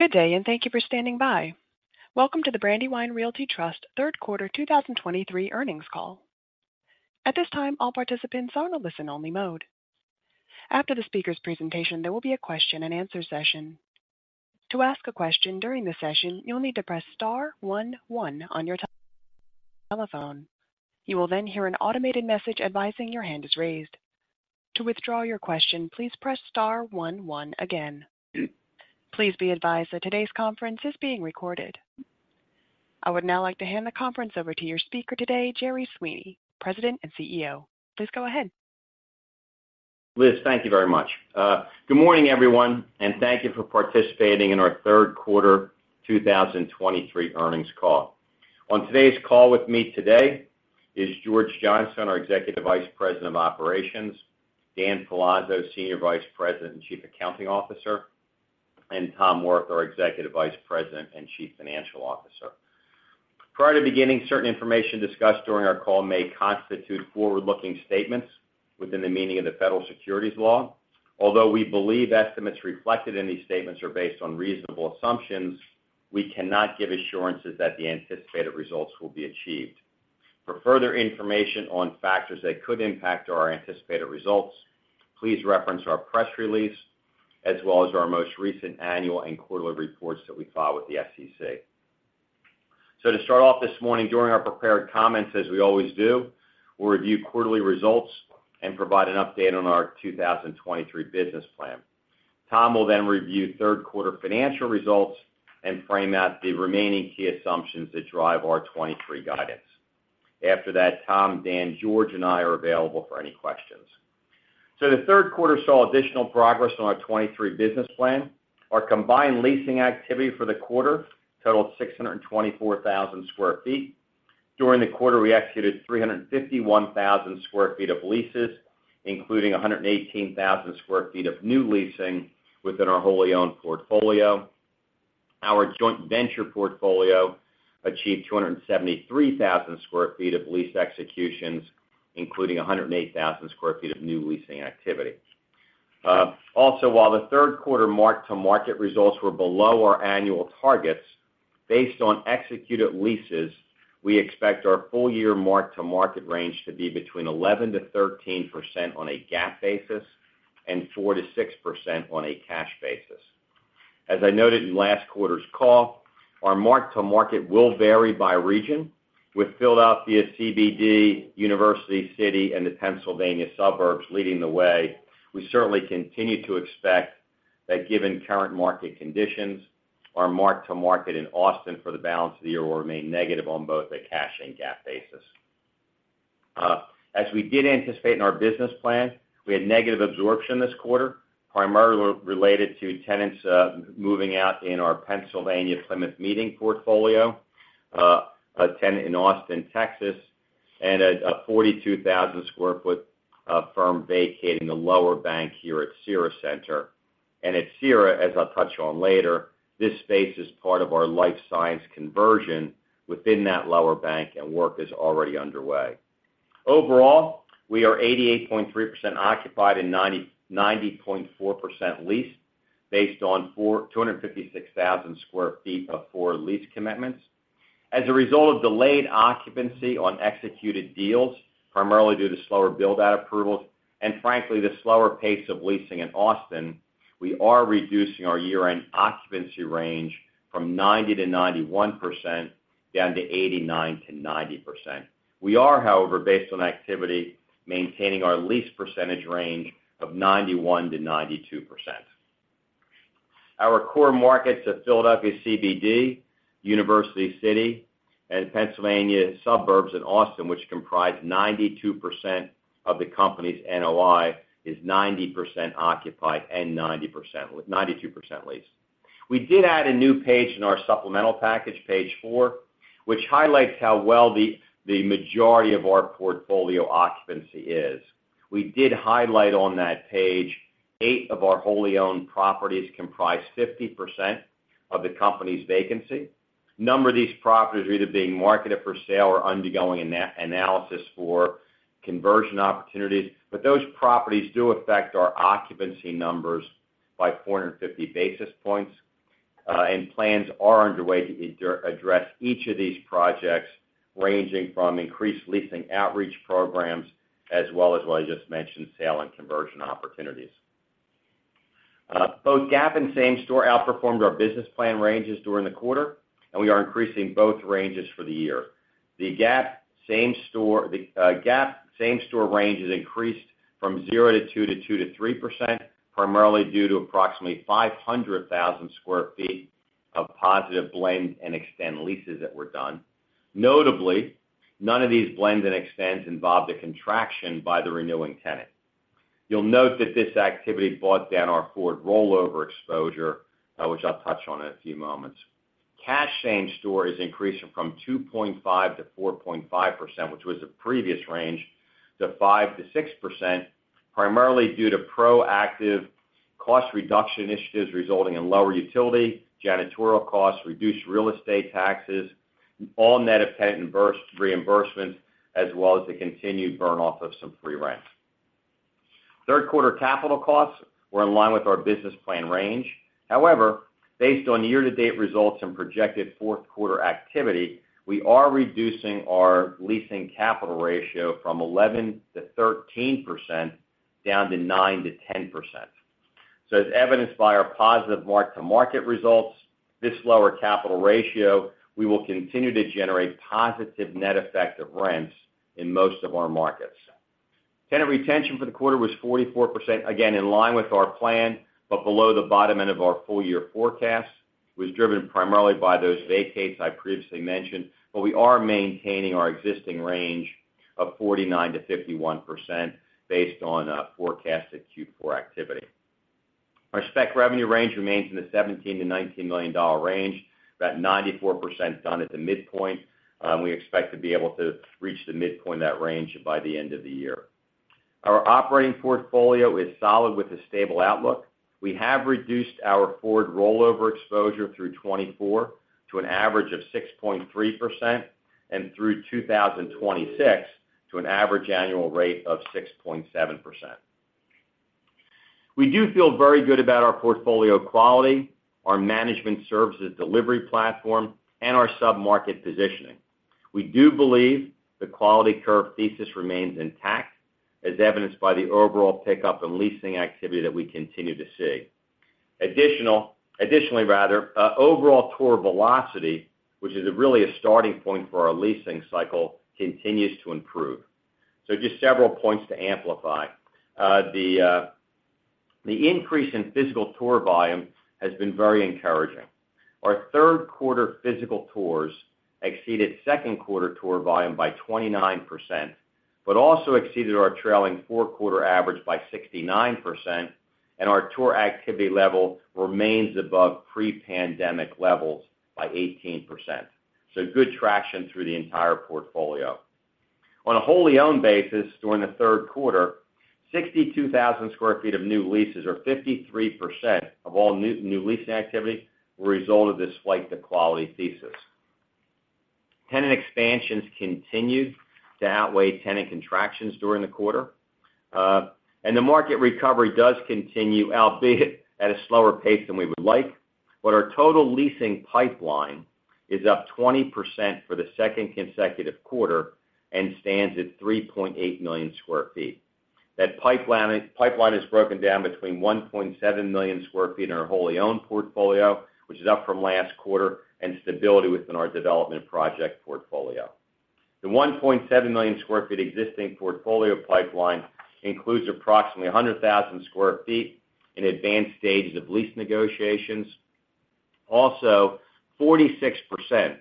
Good day, and thank you for standing by. Welcome to the Brandywine Realty Trust third quarter 2023 earnings call. At this time, all participants are in a listen-only mode. After the speaker's presentation, there will be a question-and-answer session. To ask a question during the session, you'll need to press star one one on your telephone. You will then hear an automated message advising your hand is raised. To withdraw your question, please press star one one again. Please be advised that today's conference is being recorded. I would now like to hand the conference over to your speaker today, Jerry Sweeney, President and CEO. Please go ahead. Liz, thank you very much. Good morning, everyone, and thank you for participating in our third quarter 2023 earnings call. On today's call with me today is George Johnstone, our Executive Vice President of Operations, Dan Palazzo, Senior Vice President and Chief Accounting Officer, and Tom Wirth, our Executive Vice President and Chief Financial Officer. Prior to beginning, certain information discussed during our call may constitute forward-looking statements within the meaning of the Federal Securities law. Although we believe estimates reflected in these statements are based on reasonable assumptions, we cannot give assurances that the anticipated results will be achieved. For further information on factors that could impact our anticipated results, please reference our press release, as well as our most recent annual and quarterly reports that we file with the SEC. So to start off this morning, during our prepared comments, as we always do, we'll review quarterly results and provide an update on our 2023 business plan. Tom will then review third quarter financial results and frame out the remaining key assumptions that drive our 2023 guidance. After that, Tom, Dan, George, and I are available for any questions. So the third quarter saw additional progress on our 2023 business plan. Our combined leasing activity for the quarter totaled 624,000 sq ft. During the quarter, we executed 351,000 sq ft of leases, including 118,000 sq ft of new leasing within our wholly owned portfolio. Our joint venture portfolio achieved 273,000 sq ft of lease executions, including 108,000 sq ft of new leasing activity. Also, while the third quarter mark-to-market results were below our annual targets, based on executed leases, we expect our full year mark-to-market range to be between 11%-13% on a GAAP basis and 4%-6% on a cash basis. As I noted in last quarter's call, our mark-to-market will vary by region, with Philadelphia CBD, University City, and the Pennsylvania suburbs leading the way. We certainly continue to expect that, given current market conditions, our mark-to-market in Austin for the balance of the year will remain negative on both a cash and GAAP basis. As we did anticipate in our business plan, we had negative absorption this quarter, primarily related to tenants moving out in our Pennsylvania Plymouth Meeting portfolio, a tenant in Austin, Texas, and a 42,000 sq ft firm vacating the lower bank here at Cira Centre. At Cira, as I'll touch on later, this space is part of our life science conversion within that lower bank, and work is already underway. Overall, we are 88.3% occupied and 90.4% leased, based on 256,000 sq ft of four lease commitments. As a result of delayed occupancy on executed deals, primarily due to slower build-out approvals and frankly, the slower pace of leasing in Austin, we are reducing our year-end occupancy range from 90%-91% down to 89%-90%. We are, however, based on activity, maintaining our lease percentage range of 91%-92%. Our core markets of Philadelphia CBD, University City, and Pennsylvania suburbs, and Austin, which comprise 92% of the company's NOI, is 90% occupied and 90% with 92% leased. We did add a new page in our supplemental package, page 4, which highlights how well the majority of our portfolio occupancy is. We did highlight on that page, 8 of our wholly owned properties comprise 50% of the company's vacancy. A number of these properties are either being marketed for sale or undergoing analysis for conversion opportunities, but those properties do affect our occupancy numbers by 450 basis points. Plans are underway to address each of these projects, ranging from increased leasing outreach programs, as well as what I just mentioned, sale and conversion opportunities. Both GAAP and same store outperformed our business plan ranges during the quarter, and we are increasing both ranges for the year. The GAAP same-store range has increased from 0-2% to 2%-3%, primarily due to approximately 500,000 sq ft of positive blend and extend leases that were done. Notably, none of these blend and extends involved a contraction by the renewing tenant. You'll note that this activity brought down our forward rollover exposure, which I'll touch on in a few moments. Cash same-store is increasing from 2.5%-4.5%, which was the previous range, to 5%-6%, primarily due to proactive cost reduction initiatives resulting in lower utility, janitorial costs, reduced real estate taxes, all net of tenant reimbursements, as well as the continued burn-off of some free rent. Third quarter capital costs were in line with our business plan range. However, based on year-to-date results and projected fourth quarter activity, we are reducing our leasing capital ratio from 11%-13% down to 9%-10%. So as evidenced by our positive mark-to-market results, this lower capital ratio, we will continue to generate positive net effective rents in most of our markets. Tenant retention for the quarter was 44%, again, in line with our plan, but below the bottom end of our full year forecast, was driven primarily by those vacates I previously mentioned, but we are maintaining our existing range of 49%-51% based on forecasted Q4 activity. Our spec revenue range remains in the $17 million-$19 million range, about 94% done at the midpoint. We expect to be able to reach the midpoint of that range by the end of the year. Our operating portfolio is solid with a stable outlook. We have reduced our forward rollover exposure through 2024 to an average of 6.3%, and through 2026 to an average annual rate of 6.7%. We do feel very good about our portfolio quality, our management services delivery platform, and our sub-market positioning. We do believe the quality curve thesis remains intact, as evidenced by the overall pickup in leasing activity that we continue to see. Additionally, rather, overall tour velocity, which is really a starting point for our leasing cycle, continues to improve. So just several points to amplify. The, the increase in physical tour volume has been very encouraging. Our third quarter physical tours exceeded second quarter tour volume by 29%, but also exceeded our trailing four-quarter average by 69%, and our tour activity level remains above pre-pandemic levels by 18%. Good traction through the entire portfolio. On a wholly owned basis, during the third quarter, 62,000 sq ft of new leases, or 53% of all new leasing activity, were a result of this flight to quality thesis. Tenant expansions continued to outweigh tenant contractions during the quarter, and the market recovery does continue, albeit at a slower pace than we would like. Our total leasing pipeline is up 20% for the second consecutive quarter and stands at 3.8 million sq ft. That pipeline, pipeline is broken down between 1.7 million sq ft in our wholly owned portfolio, which is up from last quarter, and stability within our development project portfolio. The 1.7 million sq ft existing portfolio pipeline includes approximately 100,000 sq ft in advanced stages of lease negotiations. Also, 46%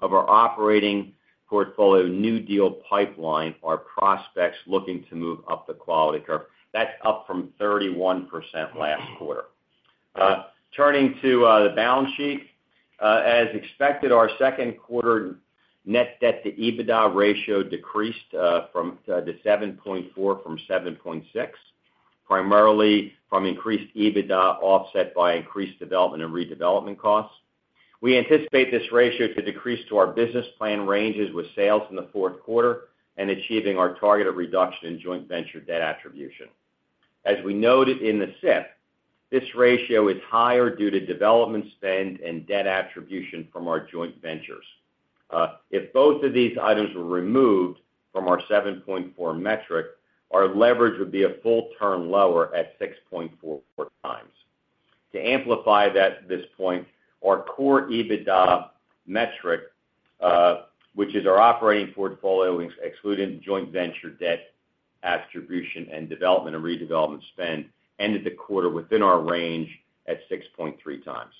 of our operating portfolio new deal pipeline are prospects looking to move up the quality curve. That's up from 31% last quarter. Turning to the balance sheet. As expected, our second quarter net debt to EBITDA ratio decreased from to 7.4 from 7.6, primarily from increased EBITDA, offset by increased development and redevelopment costs. We anticipate this ratio to decrease to our business plan ranges with sales in the fourth quarter and achieving our targeted reduction in joint venture debt attribution. As we noted in the SIP, this ratio is higher due to development spend and debt attribution from our joint ventures. If both of these items were removed from our 7.4 metric, our leverage would be a full turn lower at 6.44 times. To amplify that, this point, our core EBITDA metric, which is our operating portfolio, excluding joint venture debt attribution and development and redevelopment spend, ended the quarter within our range at 6.3 times.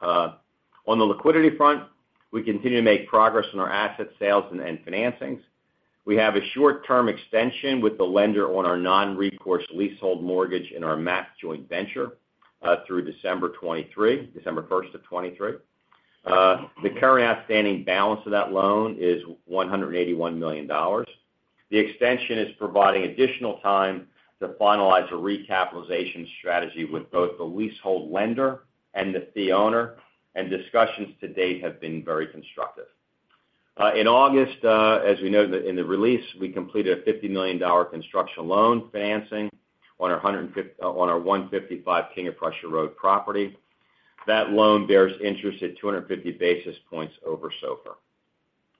On the liquidity front, we continue to make progress on our asset sales and financings. We have a short-term extension with the lender on our non-recourse leasehold mortgage in our MAP joint venture, through December 2023, December 1st of 2023. The current outstanding balance of that loan is $181 million. The extension is providing additional time to finalize a recapitalization strategy with both the leasehold lender and the fee owner, and discussions to date have been very constructive. In August, as we noted in the release, we completed a $50 million construction loan financing on our 155 King of Prussia Road property. That loan bears interest at 250 basis points over SOFR.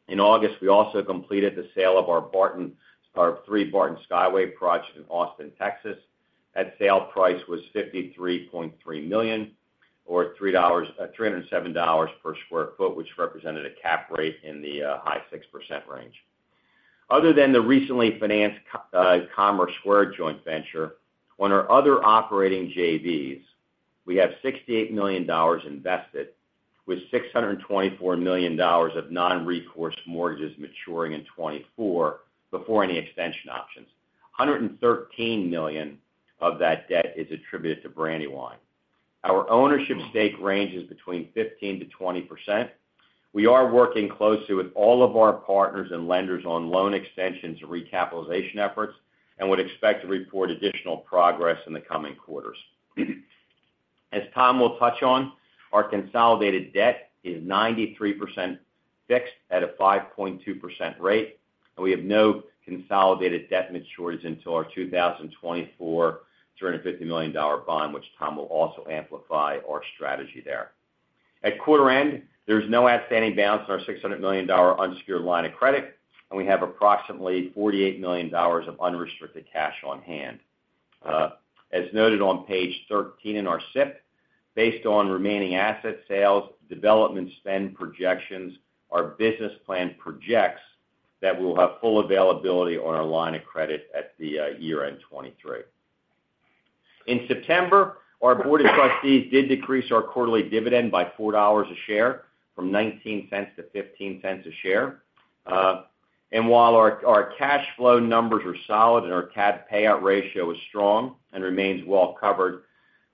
In August, we also completed the sale of our Three Barton Skyway project in Austin, Texas. That sale price was $53.3 million, or $307 per sq ft, which represented a cap rate in the high 6% range. Other than the recently financed Commerce Square joint venture, on our other operating JVs, we have $68 million invested, with $624 million of non-recourse mortgages maturing in 2024, before any extension options. $113 million of that debt is attributed to Brandywine. Our ownership stake ranges between 15%-20%. We are working closely with all of our partners and lenders on loan extension to recapitalization efforts and would expect to report additional progress in the coming quarters.... As Tom will touch on, our consolidated debt is 93% fixed at a 5.2% rate, and we have no consolidated debt maturities until our 2024, $350 million dollar bond, which Tom will also amplify our strategy there. At quarter end, there's no outstanding balance in our $600 million unsecured line of credit, and we have approximately $48 million of unrestricted cash on hand. As noted on page 13 in our SIP, based on remaining asset sales, development spend projections, our business plan projects that we'll have full availability on our line of credit at the year end 2023. In September, our board of trustees did decrease our quarterly dividend by 4 dollars a share, from 19 cents to 15 cents a share. While our cash flow numbers are solid and our CAD payout ratio is strong and remains well covered,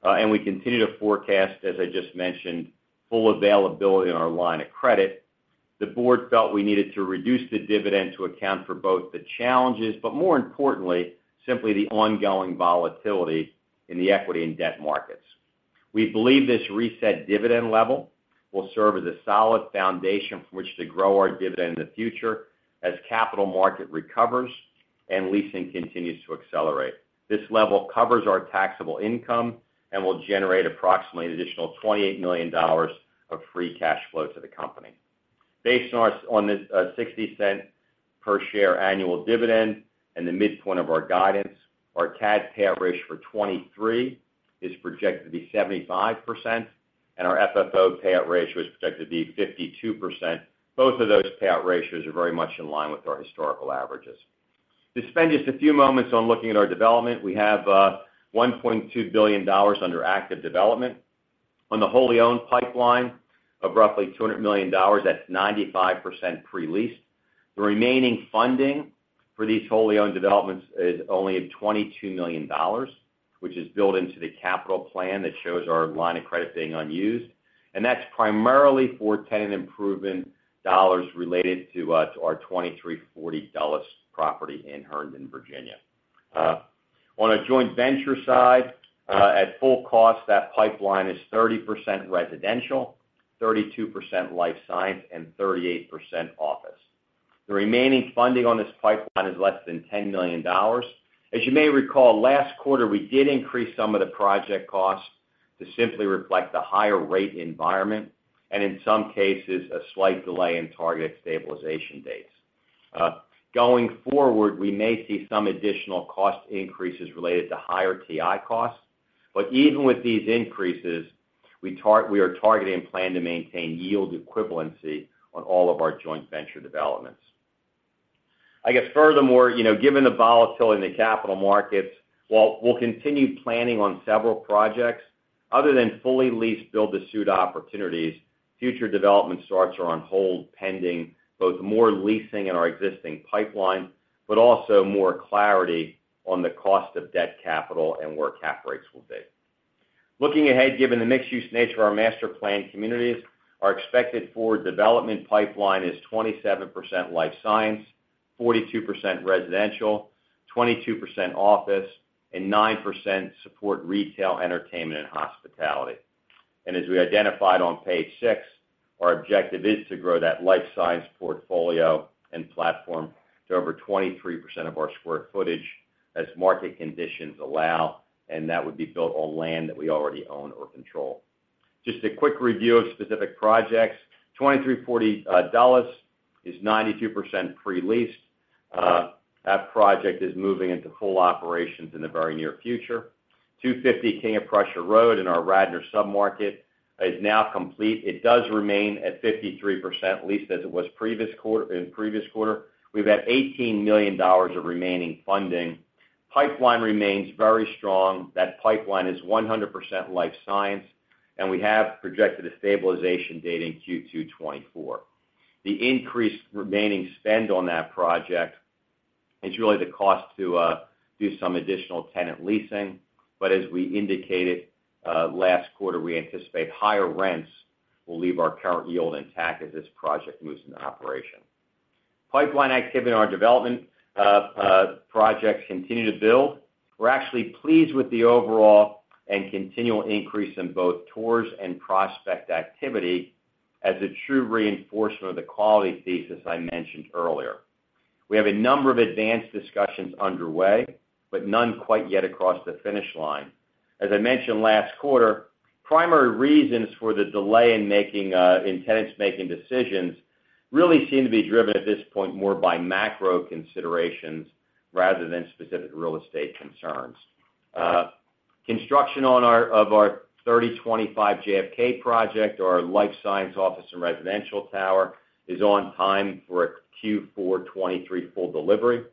and we continue to forecast, as I just mentioned, full availability on our line of credit, the board felt we needed to reduce the dividend to account for both the challenges, but more importantly, simply the ongoing volatility in the equity and debt markets. We believe this reset dividend level will serve as a solid foundation from which to grow our dividend in the future as capital markets recover and leasing continues to accelerate. This level covers our taxable income and will generate approximately an additional $28 million of free cash flow to the company. Based on this, $0.60 per share annual dividend and the midpoint of our guidance, our CAD payout ratio for 2023 is projected to be 75%, and our FFO payout ratio is projected to be 52%. Both of those payout ratios are very much in line with our historical averages. To spend just a few moments on looking at our development, we have $1.2 billion under active development. On the wholly owned pipeline of roughly $200 million, that's 95% pre-leased. The remaining funding for these wholly owned developments is only $22 million, which is built into the capital plan that shows our line of credit being unused. And that's primarily for tenant improvement dollars related to our 2340 Dulles Corner property in Herndon, Virginia. On a joint venture side, at full cost, that pipeline is 30% residential, 32% life science, and 38% office. The remaining funding on this pipeline is less than $10 million. As you may recall, last quarter, we did increase some of the project costs to simply reflect the higher rate environment, and in some cases, a slight delay in targeted stabilization dates. Going forward, we may see some additional cost increases related to higher TI costs, but even with these increases, we are targeting and plan to maintain yield equivalency on all of our joint venture developments. I guess furthermore, you know, given the volatility in the capital markets, while we'll continue planning on several projects, other than fully leased build-to-suit opportunities, future development starts are on hold, pending both more leasing in our existing pipeline, but also more clarity on the cost of debt capital and where cap rates will be. Looking ahead, given the mixed-use nature of our master planned communities, our expected forward development pipeline is 27% life science, 42% residential, 22% office, and 9% support retail, entertainment, and hospitality. As we identified on page 6, our objective is to grow that life science portfolio and platform to over 23% of our square footage as market conditions allow, and that would be built on land that we already own or control. Just a quick review of specific projects. 2340 Dulles is 92% pre-leased. That project is moving into full operations in the very near future. 250 King of Prussia Road in our Radnor submarket is now complete. It does remain at 53% leased as it was previous quarter, in previous quarter. We've had $18 million of remaining funding. Pipeline remains very strong. That pipeline is 100% life science, and we have projected a stabilization date in Q2 2024. The increased remaining spend on that project is really the cost to do some additional tenant leasing. But as we indicated last quarter, we anticipate higher rents will leave our current yield intact as this project moves into operation. Pipeline activity in our development projects continue to build. We're actually pleased with the overall and continual increase in both tours and prospect activity as a true reinforcement of the quality thesis I mentioned earlier. We have a number of advanced discussions underway, but none quite yet across the finish line. As I mentioned last quarter, primary reasons for the delay in making in tenants making decisions really seem to be driven at this point more by macro considerations rather than specific real estate concerns. Construction on of our 3025 JFK project, our life science office and residential tower, is on time for a Q4 2023 full delivery.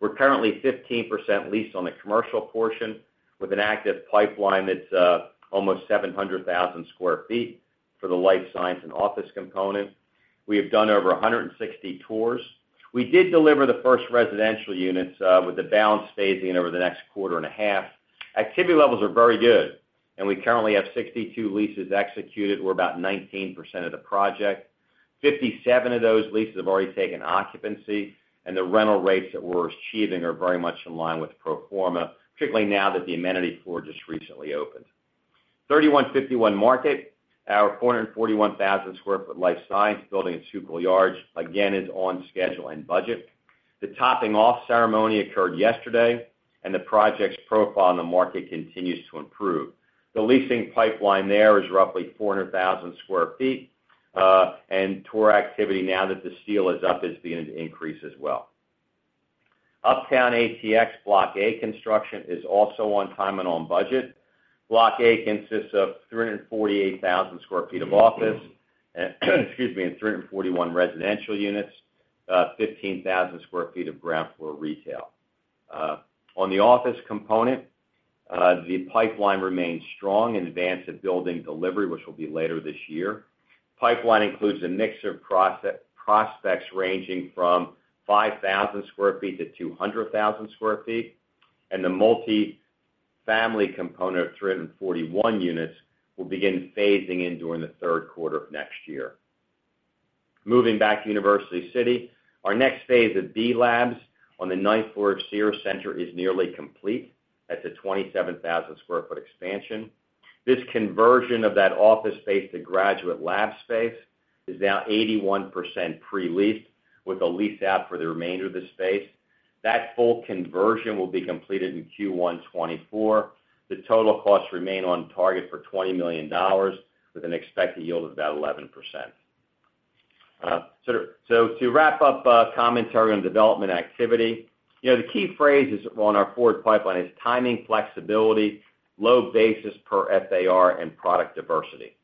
We're currently 15% leased on the commercial portion, with an active pipeline that's almost 700,000 sq ft for the life science and office component. We have done over 160 tours. We did deliver the first residential units with the balance phasing over the next quarter and a half. Activity levels are very good, and we currently have 62 leases executed. We're about 19% of the project. Fifty-seven of those leases have already taken occupancy, and the rental rates that we're achieving are very much in line with pro forma, particularly now that the amenity floor just recently opened. 3151 Market, our 441,000 sq ft life science building in Schuylkill Yards, again, is on schedule and budget. The topping off ceremony occurred yesterday, and the project's profile in the market continues to improve. The leasing pipeline there is roughly 400,000 sq ft, and tour activity now that the steel is up, is beginning to increase as well. Uptown ATX Block A construction is also on time and on budget. Block A consists of 348,000 sq ft of office, excuse me, and 341 residential units, fifteen thousand sq ft of ground floor retail. On the office component, the pipeline remains strong in advance of building delivery, which will be later this year. Pipeline includes a mix of prospects ranging from 5,000 sq ft to 200,000 sq ft, and the multi-family component of 341 units will begin phasing in during the third quarter of next year. Moving back to University City, our next phase of B.Labs on the ninth floor of Cira Centre is nearly complete at the 27,000 sq ft expansion. This conversion of that office space to graduate lab space is now 81% pre-leased, with a lease out for the remainder of the space. That full conversion will be completed in Q1 2024. The total costs remain on target for $20 million, with an expected yield of about 11%. So, to wrap up, commentary on development activity, you know, the key phrases on our forward pipeline is timing, flexibility, low basis per FAR, and product diversity.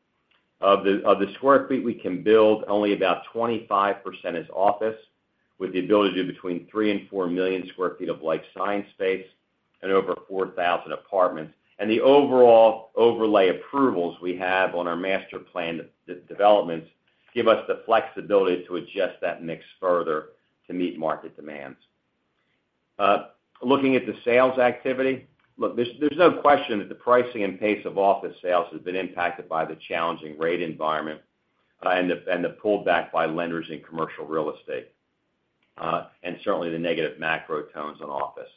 Of the square feet we can build, only about 25% is office, with the ability to do between 3 and 4 million sq ft of life science space and over 4,000 apartments. And the overall overlay approvals we have on our master plan developments give us the flexibility to adjust that mix further to meet market demands. Looking at the sales activity, there's no question that the pricing and pace of office sales has been impacted by the challenging rate environment, and the pullback by lenders in commercial real estate, and certainly the negative macro tones on office.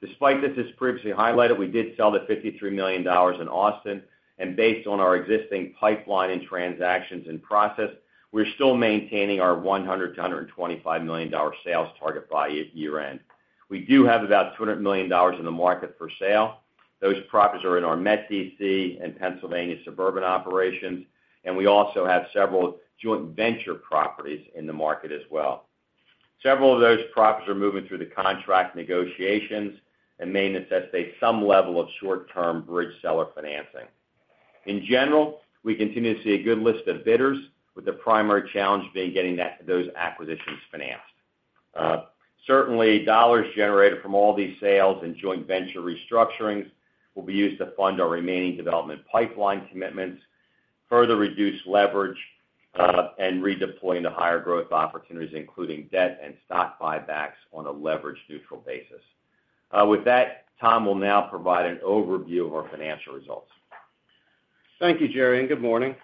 Despite this, as previously highlighted, we did sell the $53 million in Austin, and based on our existing pipeline and transactions in process, we're still maintaining our $100 million-$125 million sales target by year-end. We do have about $200 million in the market for sale. Those properties are in our Metro D.C. and Pennsylvania suburban operations, and we also have several joint venture properties in the market as well. Several of those properties are moving through the contract negotiations and may necessitate some level of short-term bridge seller financing. In general, we continue to see a good list of bidders, with the primary challenge being getting those acquisitions financed. Certainly, dollars generated from all these sales and joint venture restructurings will be used to fund our remaining development pipeline commitments, further reduce leverage, and redeploy into higher growth opportunities, including debt and stock buybacks on a leverage-neutral basis. With that, Tom will now provide an overview of our financial results. Thank you, Jerry, and good morning.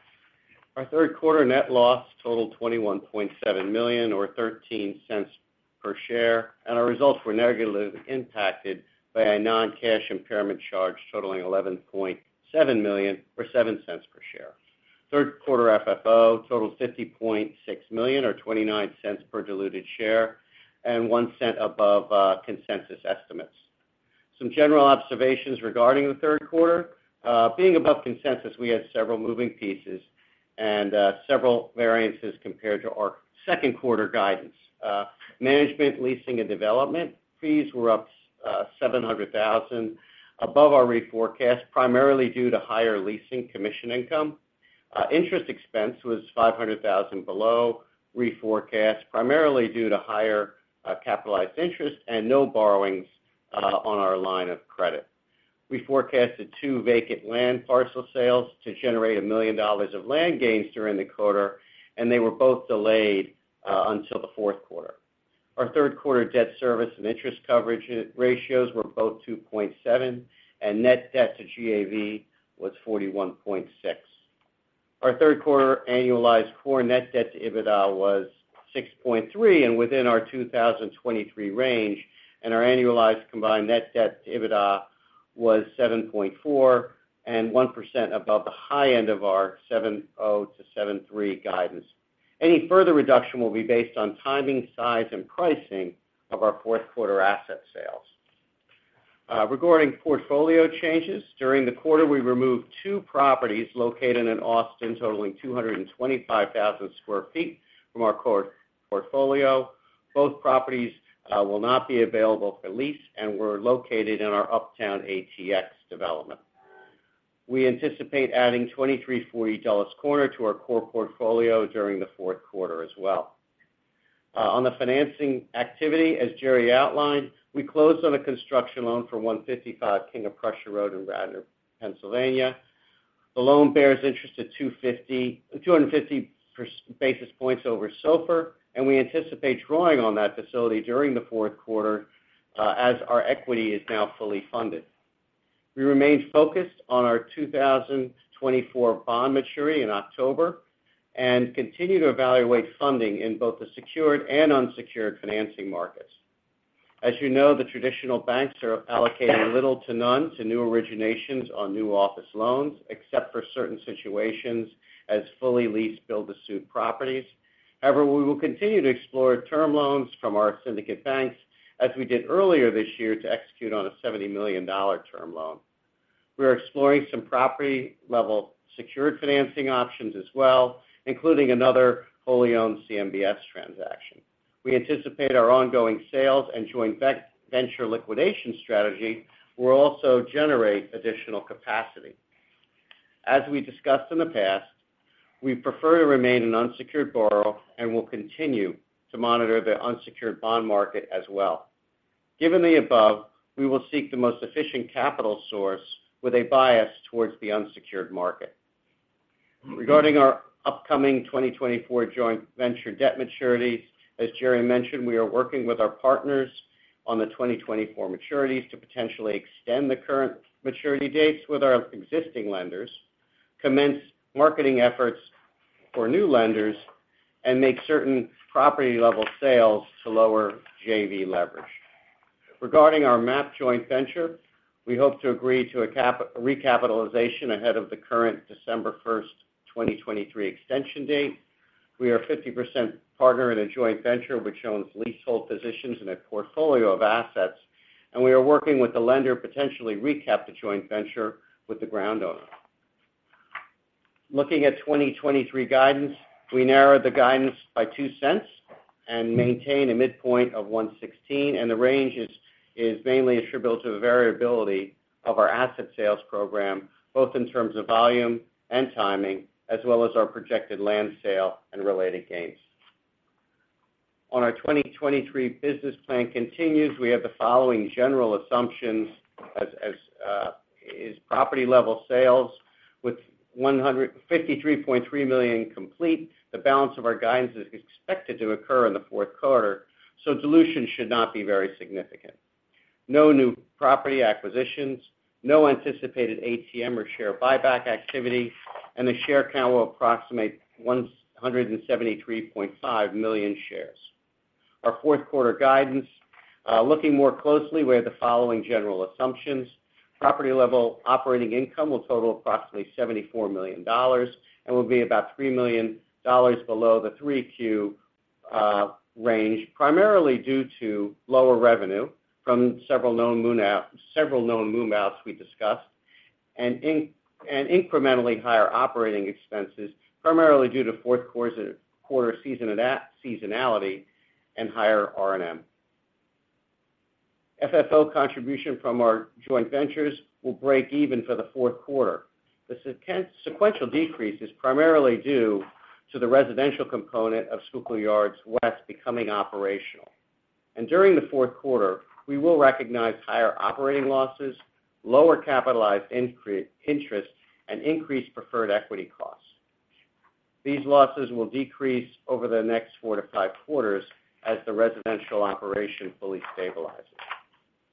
Our third quarter net loss totaled $21.7 million, or $0.13 per share, and our results were negatively impacted by a non-cash impairment charge totaling $11.7 million, or $0.07 per share. Third quarter FFO totaled $50.6 million, or $0.29 per diluted share, and 1 cent above consensus estimates. Some general observations regarding the third quarter. Being above consensus, we had several moving pieces and several variances compared to our second quarter guidance. Management, leasing, and development fees were up $700,000 above our reforecast, primarily due to higher leasing commission income. Interest expense was $500,000 below reforecast, primarily due to higher capitalized interest and no borrowings on our line of credit. We forecasted two vacant land parcel sales to generate $1 million of land gains during the quarter, and they were both delayed until the fourth quarter. Our third quarter debt service and interest coverage ratios were both 2.7, and net debt to GAV was 41.6. Our third quarter annualized core net debt to EBITDA was 6.3, and within our 2023 range, and our annualized combined net debt to EBITDA was 7.4, and 1% above the high end of our 7.0-7.3 guidance. Any further reduction will be based on timing, size, and pricing of our fourth quarter asset sales. Regarding portfolio changes, during the quarter, we removed two properties located in Austin, totaling 225,000 sq ft from our core portfolio. Both properties will not be available for lease and were located in our Uptown ATX development. We anticipate adding 2340 Dulles Corner to our core portfolio during the fourth quarter as well. On the financing activity, as Jerry outlined, we closed on a construction loan for 155 King of Prussia Road in Radnor, Pennsylvania. The loan bears interest at 250 basis points over SOFR, and we anticipate drawing on that facility during the fourth quarter, as our equity is now fully funded. We remain focused on our 2024 bond maturity in October, and continue to evaluate funding in both the secured and unsecured financing markets. As you know, the traditional banks are allocating little to none to new originations on new office loans, except for certain situations as fully leased build-to-suit properties. However, we will continue to explore term loans from our syndicate banks, as we did earlier this year, to execute on a $70 million term loan. We are exploring some property-level secured financing options as well, including another wholly owned CMBS transaction. We anticipate our ongoing sales and joint venture liquidation strategy will also generate additional capacity. As we discussed in the past, we prefer to remain an unsecured borrower and will continue to monitor the unsecured bond market as well. Given the above, we will seek the most efficient capital source with a bias towards the unsecured market. Regarding our upcoming 2024 joint venture debt maturities, as Jerry mentioned, we are working with our partners on the 2024 maturities to potentially extend the current maturity dates with our existing lenders, commence marketing efforts for new lenders, and make certain property-level sales to lower JV leverage. Regarding our MAP joint venture, we hope to agree to a recapitalization ahead of the current December 1, 2023 extension date. We are a 50% partner in a joint venture which owns leasehold positions in a portfolio of assets, and we are working with the lender to potentially recap the joint venture with the ground owner. Looking at 2023 guidance, we narrowed the guidance by $0.02 and maintain a midpoint of $1.16, and the range is mainly attributable to the variability of our asset sales program, both in terms of volume and timing, as well as our projected land sale and related gains. On our 2023 business plan continues, we have the following general assumptions as is property-level sales. With $153.3 million complete, the balance of our guidance is expected to occur in the fourth quarter, so dilution should not be very significant. No new property acquisitions, no anticipated ATM or share buyback activity, and the share count will approximate 173.5 million shares. Our fourth quarter guidance, looking more closely, we have the following general assumptions: Property level operating income will total approximately $74 million and will be about $3 million below the 3Q range, primarily due to lower revenue from several known move-outs we discussed, and incrementally higher operating expenses, primarily due to fourth quarter seasonality and higher R&M. FFO contribution from our joint ventures will break even for the fourth quarter. The sequential decrease is primarily due to the residential component of Schuylkill Yards West becoming operational. During the fourth quarter, we will recognize higher operating losses, lower capitalized interest, and increased preferred equity costs. These losses will decrease over the next 4-5 quarters as the residential operation fully stabilizes.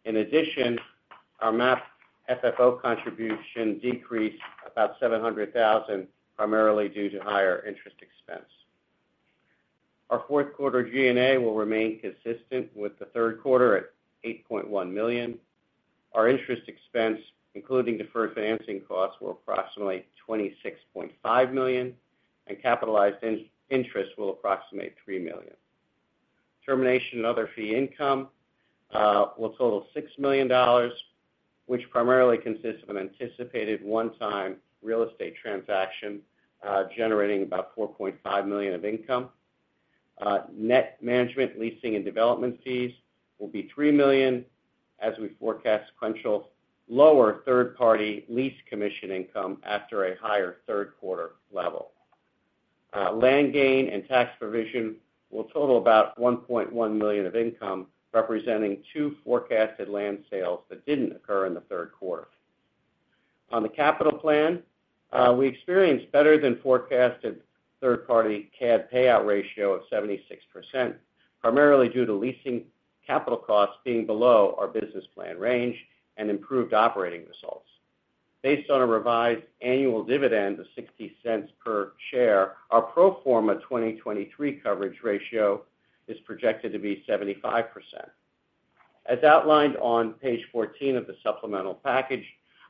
In addition, our MAP FFO contribution decreased about $700,000, primarily due to higher interest expense. Our fourth quarter G&A will remain consistent with the third quarter at $8.1 million. Our interest expense, including deferred financing costs, were approximately $26.5 million, and capitalized interest will approximate $3 million. Termination and other fee income will total $6 million, which primarily consists of an anticipated one-time real estate transaction generating about $4.5 million of income. Net management, leasing, and development fees will be $3 million as we forecast sequential lower third-party lease commission income after a higher third quarter level. Land gain and tax provision will total about $1.1 million of income, representing two forecasted land sales that didn't occur in the third quarter. On the capital plan, we experienced better than forecasted third-party CAD payout ratio of 76%, primarily due to leasing capital costs being below our business plan range and improved operating results. Based on a revised annual dividend of $0.60 per share, our pro forma 2023 coverage ratio is projected to be 75%. As outlined on page 14 of the supplemental package,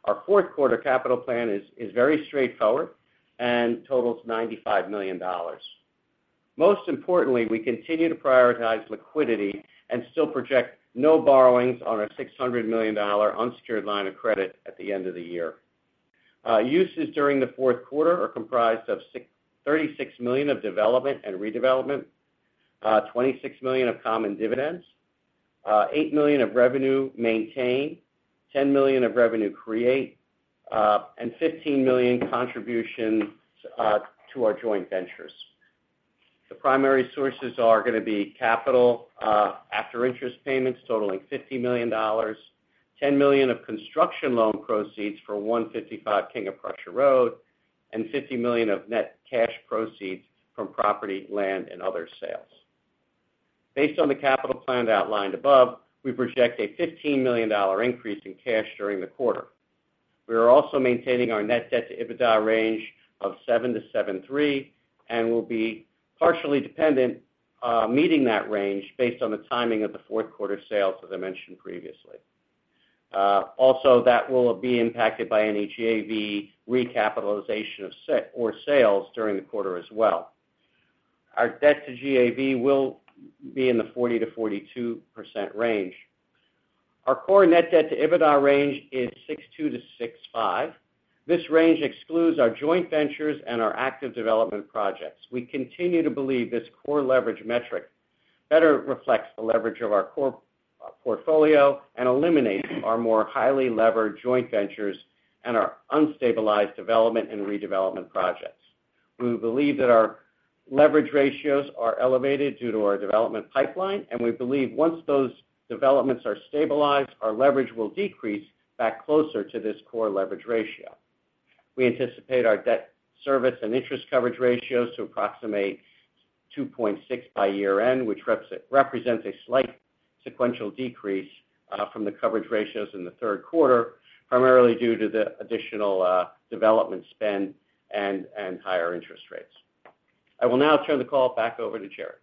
our fourth quarter capital plan is very straightforward and totals $95 million. Most importantly, we continue to prioritize liquidity and still project no borrowings on our $600 million unsecured line of credit at the end of the year. Uses during the fourth quarter are comprised of $636 million of development and redevelopment, $26 million of common dividends, $8 million of revenue maintain, $10 million of revenue create, and $15 million contributions to our joint ventures. The primary sources are going to be capital after interest payments totaling $50 million, $10 million of construction loan proceeds for 155 King of Prussia Road, and $50 million of net cash proceeds from property, land, and other sales. Based on the capital plan outlined above, we project a $15 million increase in cash during the quarter. We are also maintaining our net debt to EBITDA range of 7-7.3, and we'll be partially dependent, meeting that range based on the timing of the fourth quarter sales, as I mentioned previously. Also, that will be impacted by any GAV recapitalization of asset or sales during the quarter as well. Our debt to GAV will be in the 40%-42% range. Our core net debt to EBITDA range is 6.2-6.5. This range excludes our joint ventures and our active development projects. We continue to believe this core leverage metric better reflects the leverage of our core portfolio and eliminates our more highly levered joint ventures and our unstabilized development and redevelopment projects. We believe that our leverage ratios are elevated due to our development pipeline, and we believe once those developments are stabilized, our leverage will decrease back closer to this core leverage ratio. We anticipate our debt service and interest coverage ratios to approximate 2.6 by year-end, which represents a slight sequential decrease from the coverage ratios in the third quarter, primarily due to the additional development spend and higher interest rates. I will now turn the call back over to Jerry.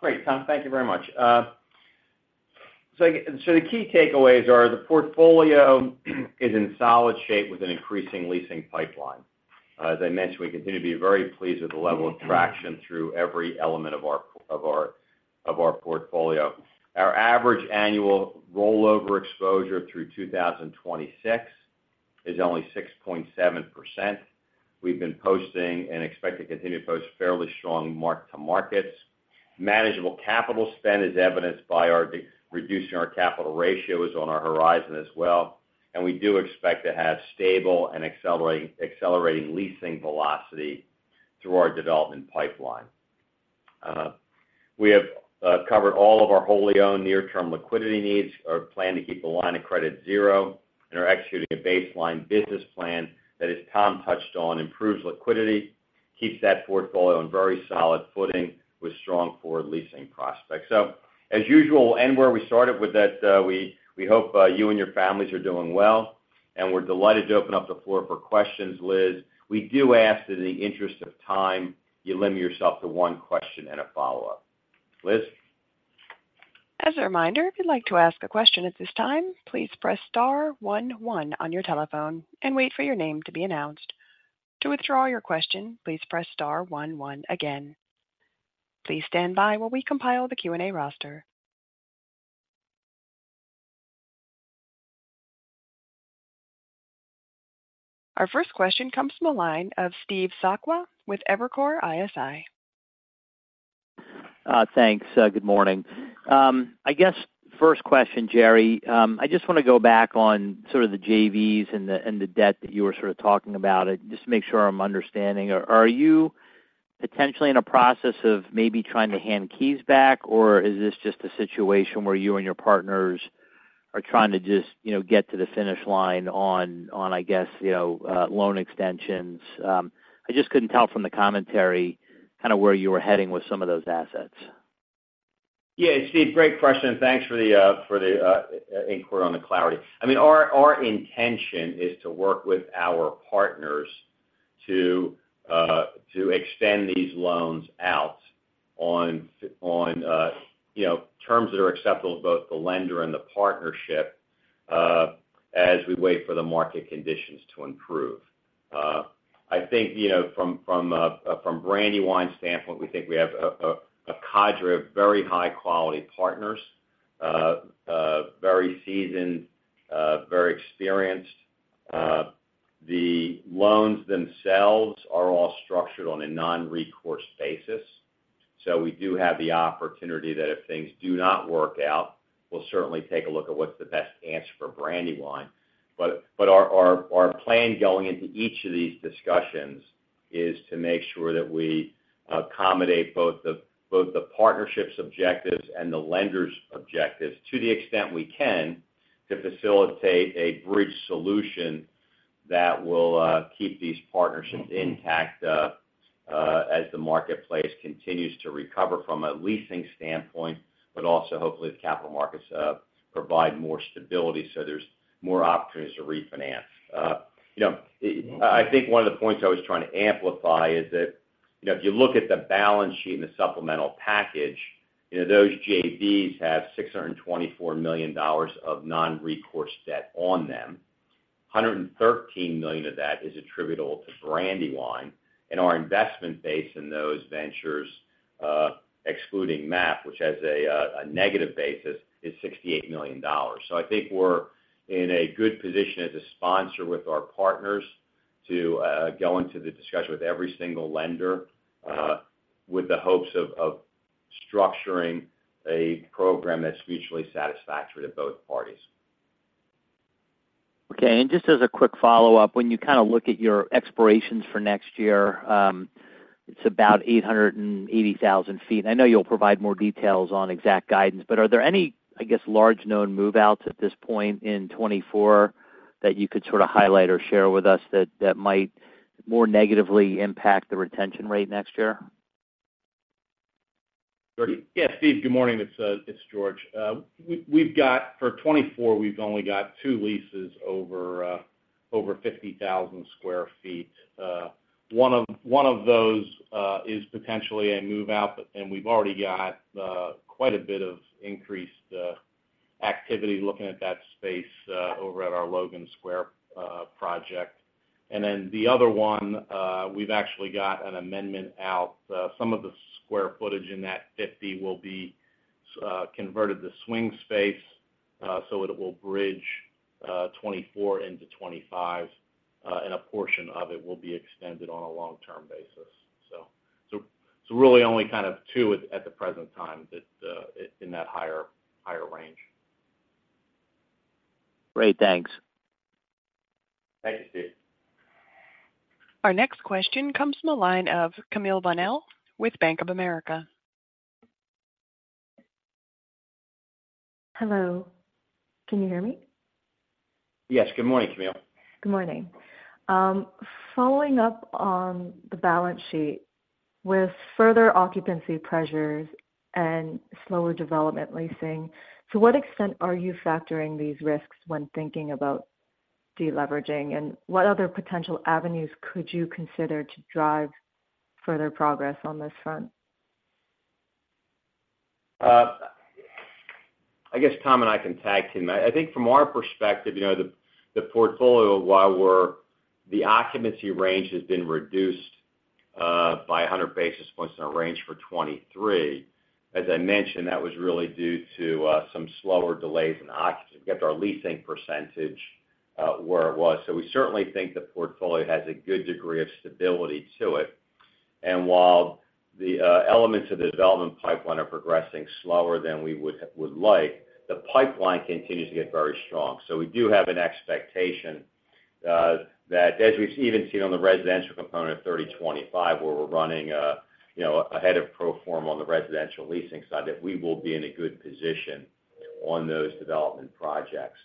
Great, Tom, thank you very much. So, the key takeaways are, the portfolio is in solid shape with an increasing leasing pipeline. As I mentioned, we continue to be very pleased with the level of traction through every element of our portfolio. Our average annual rollover exposure through 2026 is only 6.7%. We've been posting and expect to continue to post fairly strong mark-to-markets. Manageable capital spend, as evidenced by our reducing our capital ratios, on our horizon as well, and we do expect to have stable and accelerating leasing velocity through our development pipeline. We have covered all of our wholly owned near-term liquidity needs or plan to keep the line of credit zero, and are executing a baseline business plan that, as Tom touched on, improves liquidity, keeps that portfolio on very solid footing with strong forward leasing prospects. So as usual, we'll end where we started with that, we hope you and your families are doing well, and we're delighted to open up the floor for questions, Liz. We do ask that in the interest of time, you limit yourself to one question and a follow-up. Liz? As a reminder, if you'd like to ask a question at this time, please press star one one on your telephone and wait for your name to be announced. To withdraw your question, please press star one one again. Please stand by while we compile the Q&A roster. Our first question comes from the line of Steve Sakwa with Evercore ISI. Thanks, good morning. I guess first question, Jerry, I just wanna go back on sort of the JVs and the debt that you were sort of talking about, just to make sure I'm understanding. Are you potentially in a process of maybe trying to hand keys back, or is this just a situation where you and your partners are trying to just, you know, get to the finish line on, I guess, you know, loan extensions? I just couldn't tell from the commentary kind of where you were heading with some of those assets. Yeah, Steve, great question, and thanks for the inquiry on the clarity. I mean, our intention is to work with our partners to extend these loans out on, you know, terms that are acceptable to both the lender and the partnership, as we wait for the market conditions to improve. I think, you know, from Brandywine's standpoint, we think we have a cadre of very high quality partners, very seasoned, very experienced. The loans themselves are all structured on a non-recourse basis. So we do have the opportunity that if things do not work out, we'll certainly take a look at what's the best answer for Brandywine. But our plan going into each of these discussions is to make sure that we accommodate both the partnership's objectives and the lender's objectives to the extent we can, to facilitate a bridge solution that will keep these partnerships intact as the marketplace continues to recover from a leasing standpoint, but also hopefully the capital markets provide more stability so there's more opportunities to refinance. You know, I think one of the points I was trying to amplify is that, you know, if you look at the balance sheet and the supplemental package, you know, those JVs have $624 million of non-recourse debt on them. $113 million of that is attributable to Brandywine, and our investment base in those ventures, excluding MAP, which has a negative basis, is $68 million. So I think we're in a good position as a sponsor with our partners to go into the discussion with every single lender with the hopes of structuring a program that's mutually satisfactory to both parties. Okay, and just as a quick follow-up, when you kind of look at your expirations for next year, it's about 880,000 sq ft. I know you'll provide more details on exact guidance, but are there any, I guess, large known move-outs at this point in 2024, that you could sort of highlight or share with us that might...... more negatively impact the retention rate next year? Yes, Steve, good morning. It's, it's George. We've got, for 2024, we've only got two leases over, over 50,000 sq ft. One of those is potentially a move out, but and we've already got quite a bit of increased activity looking at that space, over at our Logan Square project. And then the other one, we've actually got an amendment out. Some of the square footage in that 50 will be converted to swing space, so it will bridge 2024 into 2025, and a portion of it will be extended on a long-term basis. So, so, so really only kind of two at, at the present time that in that higher, higher range. Great. Thanks. Thank you, Steve. Our next question comes from the line of Camille Bonnel with Bank of America. Hello, can you hear me? Yes. Good morning, Camille. Good morning. Following up on the balance sheet, with further occupancy pressures and slower development leasing, to what extent are you factoring these risks when thinking about de-leveraging? And what other potential avenues could you consider to drive further progress on this front? I guess Tom and I can tag team. I think from our perspective, you know, the portfolio, while the occupancy range has been reduced by 100 basis points in our range for 2023, as I mentioned, that was really due to some slower delays in occupancy, we got our leasing percentage where it was. So we certainly think the portfolio has a good degree of stability to it. And while the elements of the development pipeline are progressing slower than we would like, the pipeline continues to get very strong. So we do have an expectation that as we've even seen on the residential component of 3025, where we're running, you know, ahead of pro forma on the residential leasing side, that we will be in a good position on those development projects.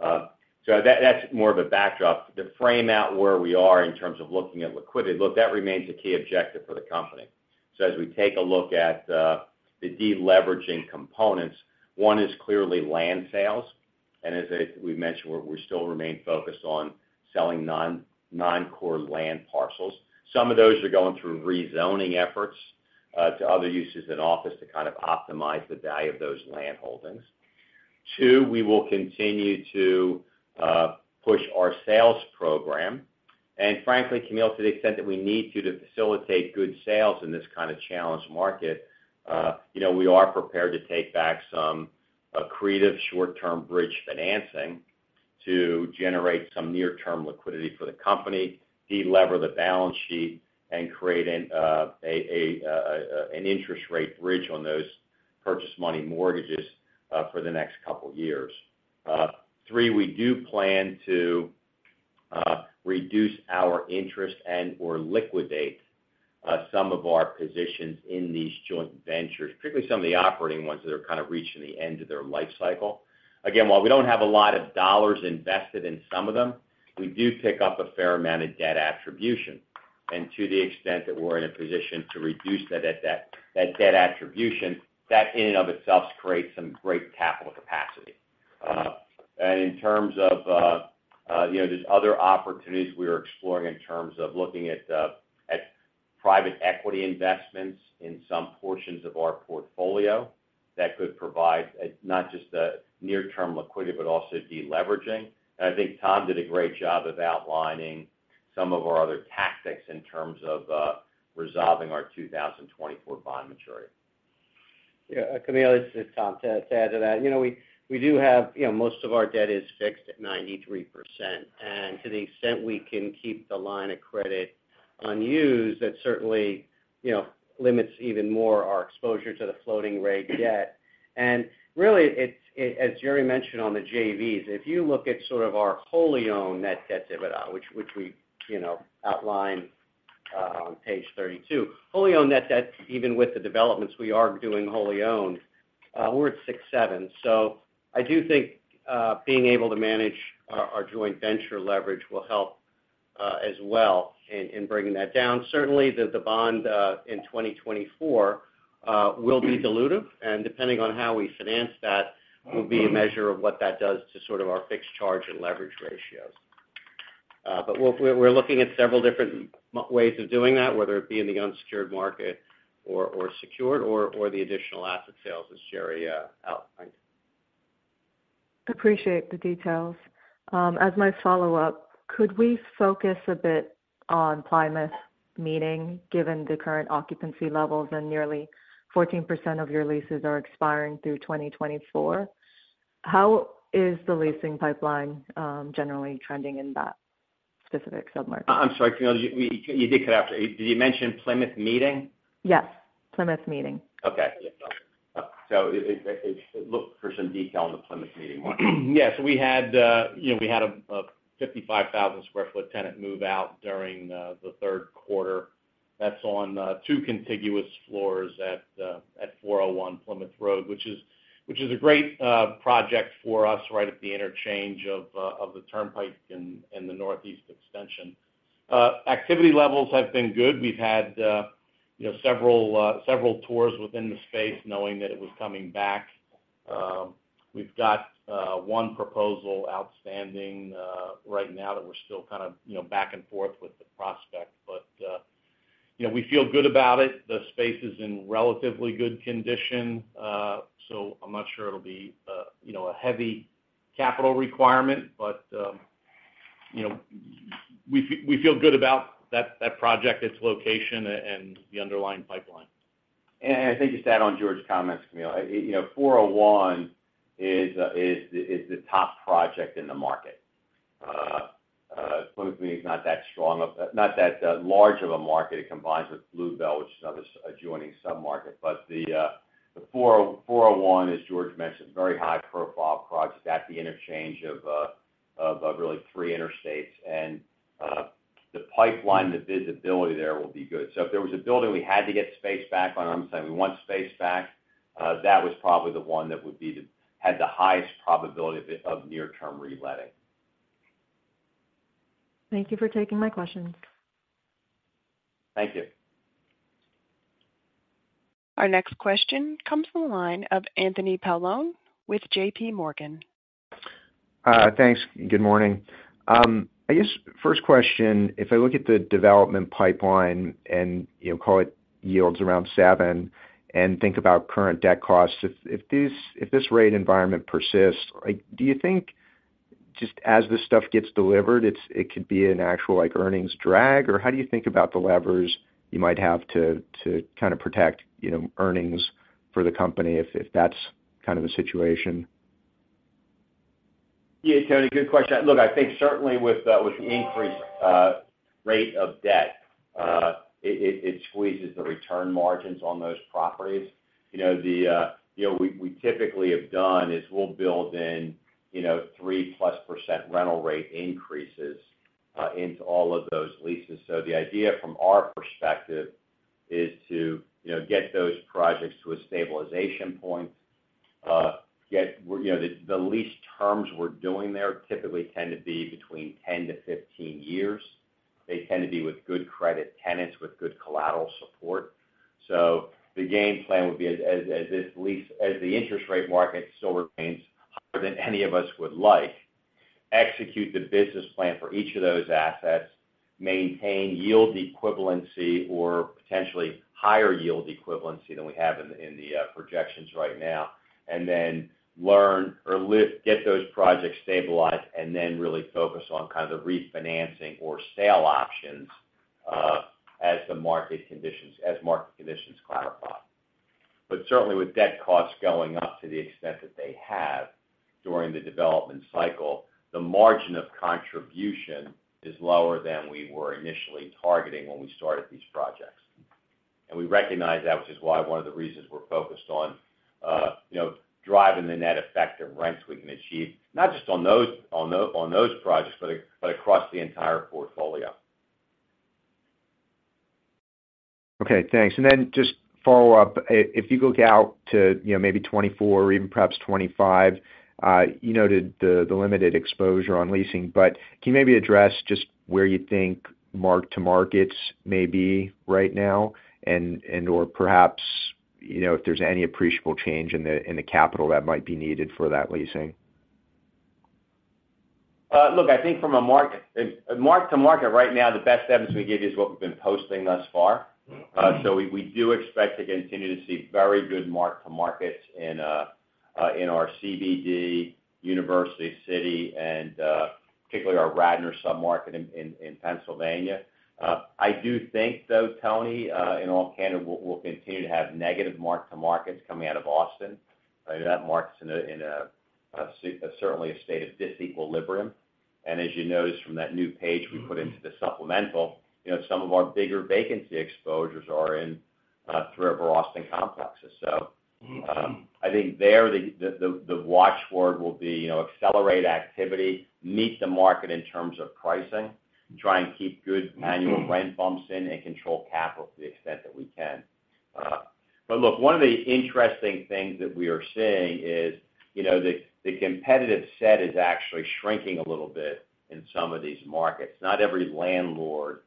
So that's more of a backdrop. To frame out where we are in terms of looking at liquidity, look, that remains a key objective for the company. So as we take a look at the deleveraging components, one is clearly land sales, and as we mentioned, we still remain focused on selling non-core land parcels. Some of those are going through rezoning efforts to other uses in office to kind of optimize the value of those land holdings. Two, we will continue to push our sales program, and frankly, Camille, to the extent that we need to, to facilitate good sales in this kind of challenged market, you know, we are prepared to take back some accretive short-term bridge financing to generate some near-term liquidity for the company, de-lever the balance sheet, and create an interest rate bridge on those purchase money mortgages for the next couple years. Three, we do plan to reduce our interest and or liquidate some of our positions in these joint ventures, particularly some of the operating ones that are kind of reaching the end of their life cycle. Again, while we don't have a lot of dollars invested in some of them, we do pick up a fair amount of debt attribution. To the extent that we're in a position to reduce that, debt, that debt attribution, that in and of itself creates some great capital capacity. And in terms of, you know, there's other opportunities we are exploring in terms of looking at, at private equity investments in some portions of our portfolio that could provide, not just a near-term liquidity, but also de-leveraging. And I think Tom did a great job of outlining some of our other tactics in terms of, resolving our 2024 bond maturity. Yeah, Camille, this is Tom. To add to that, you know, we do have, you know, most of our debt is fixed at 93%, and to the extent we can keep the line of credit unused, that certainly, you know, limits even more our exposure to the floating rate debt. And really, it's as Jerry mentioned on the JVs, if you look at sort of our wholly owned net debt to EBITDA, which we, you know, outlined on page 32. Wholly owned net debt, even with the developments we are doing wholly owned, we're at 6.7. So I do think, being able to manage our joint venture leverage will help, as well in bringing that down. Certainly, the bond in 2024 will be dilutive, and depending on how we finance that, will be a measure of what that does to sort of our fixed charge and leverage ratios. But we're looking at several different ways of doing that, whether it be in the unsecured market or secured, or the additional asset sales, as Jerry outlined. Appreciate the details. As my follow-up, could we focus a bit on Plymouth Meeting, given the current occupancy levels and nearly 14% of your leases are expiring through 2024? How is the leasing pipeline, generally trending in that specific submarket? I'm sorry, Camille, you did cut out. Did you mention Plymouth Meeting? Yes, Plymouth Meeting. Okay. Yeah. So I look for some detail on the Plymouth Meeting one. Yes, we had, you know, we had a 55,000 sq ft tenant move out during the third quarter.... That's on two contiguous floors at 401 Plymouth Road, which is a great project for us, right at the interchange of the Turnpike in the Northeast Extension. Activity levels have been good. We've had, you know, several tours within the space, knowing that it was coming back. We've got one proposal outstanding right now that we're still kind of, you know, back and forth with the prospect. But, you know, we feel good about it. The space is in relatively good condition. So I'm not sure it'll be a heavy capital requirement, but, you know, we feel good about that project, its location, and the underlying pipeline. I think you said on George's comments, Camille, you know, 401 is the top project in the market. Plymouth Meeting is not that strong of not that large of a market. It combines with Blue Bell, which is another adjoining submarket. But the 401, as George mentioned, very high profile project at the interchange of really three interstates. And the pipeline, the visibility there will be good. So if there was a building we had to get space back on, I'm saying we want space back, that was probably the one that would be had the highest probability of near-term reletting. Thank you for taking my questions. Thank you. Our next question comes from the line of Anthony Paolone with JP Morgan. Thanks, and good morning. I guess first question, if I look at the development pipeline and, you know, call it yields around 7%, and think about current debt costs, if this rate environment persists, like, do you think just as this stuff gets delivered, it could be an actual like earnings drag? Or how do you think about the levers you might have to kind of protect, you know, earnings for the company if that's kind of the situation? Yeah, Tony, good question. Look, I think certainly with the increased rate of debt, it squeezes the return margins on those properties. You know, you know, we typically have done is we'll build in, you know, 3%+ rental rate increases into all of those leases. So the idea from our perspective is to, you know, get those projects to a stabilization point, get, you know, the lease terms we're doing there typically tend to be between 10-15 years. They tend to be with good credit tenants, with good collateral support. So the game plan would be, as the interest rate market still remains higher than any of us would like, execute the business plan for each of those assets, maintain yield equivalency or potentially higher yield equivalency than we have in the projections right now, and then get those projects stabilized, and then really focus on kind of the refinancing or sale options, as market conditions clarify. But certainly with debt costs going up to the extent that they have during the development cycle, the margin of contribution is lower than we were initially targeting when we started these projects. We recognize that, which is why one of the reasons we're focused on, you know, driving the net effect of rents we can achieve, not just on those projects, but across the entire portfolio. Okay, thanks. And then just follow up. If you look out to, you know, maybe 2024 or even perhaps 2025, you noted the limited exposure on leasing, but can you maybe address just where you think mark-to-markets may be right now, and, or perhaps, you know, if there's any appreciable change in the capital that might be needed for that leasing? Look, I think from a mark-to-market right now, the best evidence we can give you is what we've been posting thus far. Mm-hmm. So we do expect to continue to see very good mark-to-markets in our CBD, University City, and particularly our Radnor submarket in Pennsylvania. I do think, though, Tony, in all candor, we'll continue to have negative mark-to-markets coming out of Boston. That market's in a certainly a state of disequilibrium. And as you noticed from that new page we put into the supplemental, you know, some of our bigger vacancy exposures are in Three River Place Austin complexes. So- Mm-hmm. I think there, the, the, the watch word will be, you know, accelerate activity, meet the market in terms of pricing, try and keep good annual rent bumps in and control capital to the extent that we can. But look, one of the interesting things that we are seeing is, you know, the, the competitive set is actually shrinking a little bit in some of these markets. Not every landlord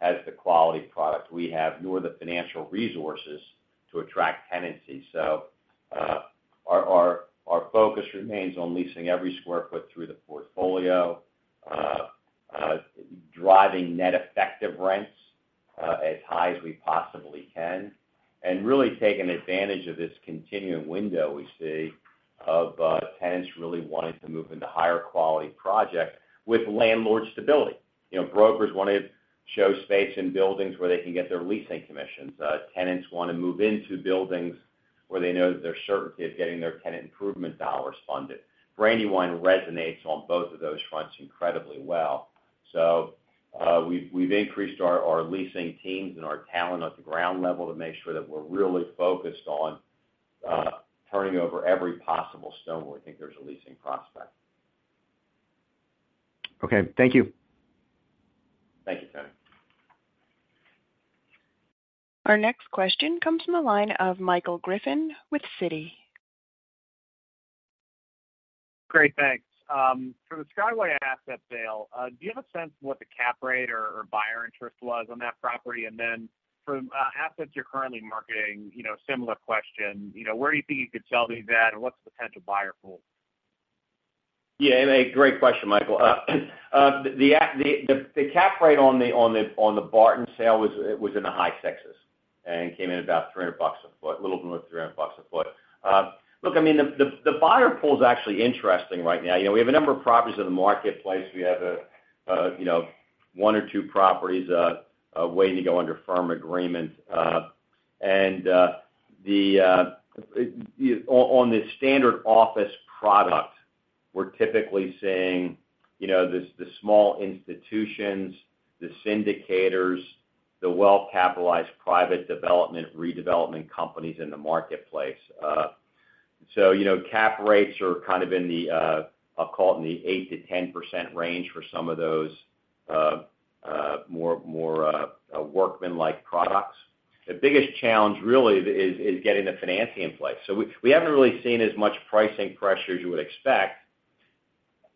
has the quality product we have, nor the financial resources to attract tenancy. So, our, our, our focus remains on leasing every square foot through the portfolio, driving net effective rents, as high as we possibly can, and really taking advantage of this continuing window we see of, tenants really wanting to move into higher quality projects with landlord stability. You know, brokers want to show space in buildings where they can get their leasing commissions. Tenants want to move into buildings where they know that there's certainty of getting their tenant improvement dollars funded. Brandywine resonates on both of those fronts incredibly well. So, we've increased our leasing teams and our talent at the ground level to make sure that we're really focused on turning over every possible stone where we think there's a leasing prospect.... Okay, thank you. Thank you, sir. Our next question comes from the line of Michael Griffin with Citi. Great, thanks. For the Skyway asset sale, do you have a sense of what the cap rate or buyer interest was on that property? And then from assets you're currently marketing, you know, similar question, you know, where do you think you could sell these at, and what's the potential buyer pool? Yeah, a great question, Michael. The cap rate on the Barton sale was in the high 60s%, and came in about $300 a foot, a little more than $300 a foot. Look, I mean, the buyer pool is actually interesting right now. You know, we have a number of properties in the marketplace. We have, you know, one or two properties waiting to go under firm agreement. On the standard office product, we're typically seeing, you know, the small institutions, the syndicators, the well-capitalized private development, redevelopment companies in the marketplace. So, you know, cap rates are kind of in the, I'll call it, in the 8%-10% range for some of those more workmen-like products. The biggest challenge really is getting the financing in place. So we haven't really seen as much pricing pressure as you would expect,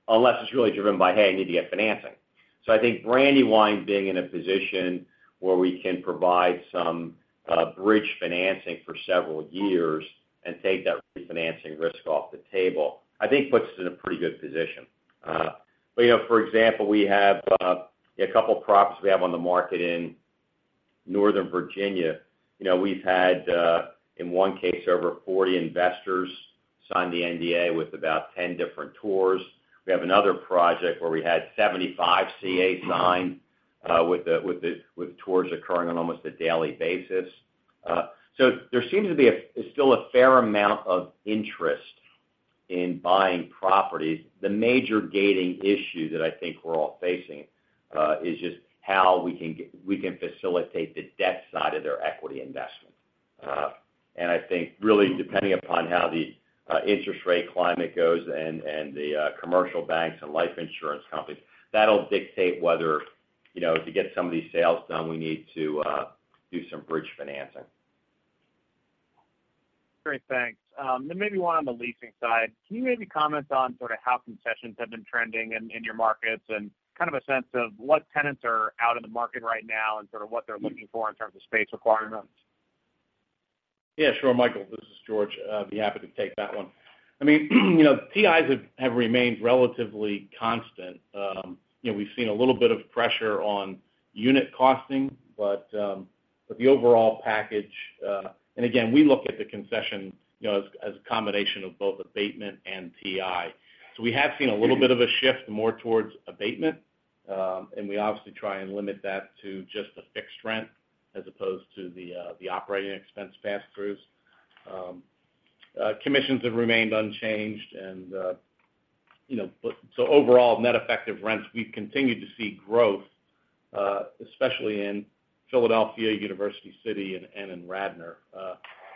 unless it's really driven by, "Hey, I need to get financing." So I think Brandywine being in a position where we can provide some bridge financing for several years and take that refinancing risk off the table, I think puts us in a pretty good position. But, you know, for example, we have a couple of properties on the market in Northern Virginia. You know, we've had, in one case, over 40 investors sign the NDA with about 10 different tours. We have another project where we had 75 CAs signed, with tours occurring on almost a daily basis. So there seems to be still a fair amount of interest in buying properties. The major gating issue that I think we're all facing is just how we can facilitate the debt side of their equity investment. And I think really, depending upon how the interest rate climate goes and the commercial banks and life insurance companies, that'll dictate whether, you know, to get some of these sales done, we need to do some bridge financing. Great, thanks. Then maybe one on the leasing side. Can you maybe comment on sort of how concessions have been trending in your markets and kind of a sense of what tenants are out in the market right now and sort of what they're looking for in terms of space requirements? Yeah, sure, Michael, this is George. I'd be happy to take that one. I mean, you know, TIs have remained relatively constant. You know, we've seen a little bit of pressure on unit costing, but the overall package. And again, we look at the concession, you know, as a combination of both abatement and TI. So we have seen a little bit of a shift more towards abatement, and we obviously try and limit that to just a fixed rent as opposed to the operating expense pass-throughs. Commissions have remained unchanged and, you know, but so overall, net effective rents, we've continued to see growth, especially in Philadelphia, University City, and in Radnor.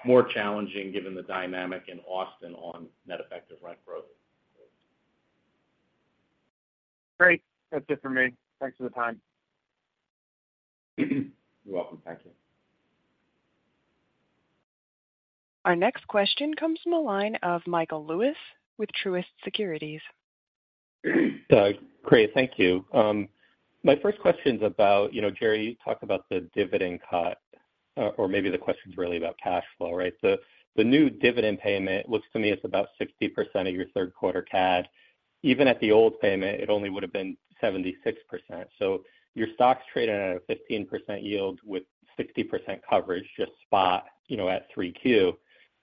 More challenging, given the dynamic in Austin on net effective rent growth. Great. That's it for me. Thanks for the time. You're welcome. Thank you. Our next question comes from the line of Michael Lewis with Truist Securities. Great, thank you. My first question is about, you know, Jerry, you talked about the dividend cut, or maybe the question is really about cash flow, right? So the new dividend payment looks to me it's about 60% of your third quarter CAD. Even at the old payment, it only would have been 76%. So your stock's trading at a 15% yield with 60% coverage, just spot, you know, at 3Q.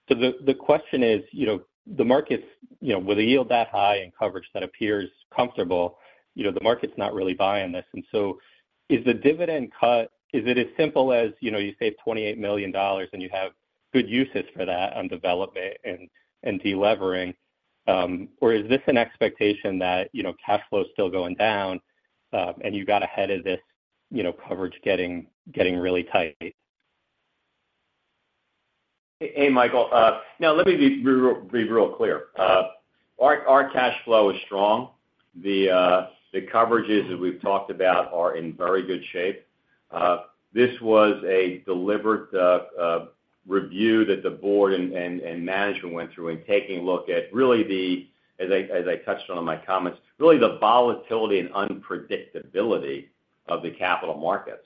So the question is, you know, the markets, you know, with a yield that high and coverage that appears comfortable, you know, the market's not really buying this. And so is the dividend cut, is it as simple as, you know, you save $28 million and you have good uses for that on development and delevering? Or is this an expectation that, you know, cash flow is still going down, and you got ahead of this, you know, coverage getting really tight? Hey, Michael, now let me be real clear. Our cash flow is strong. The coverages that we've talked about are in very good shape. This was a deliberate review that the board and management went through in taking a look at really the, as I touched on in my comments, really the volatility and unpredictability of the capital markets.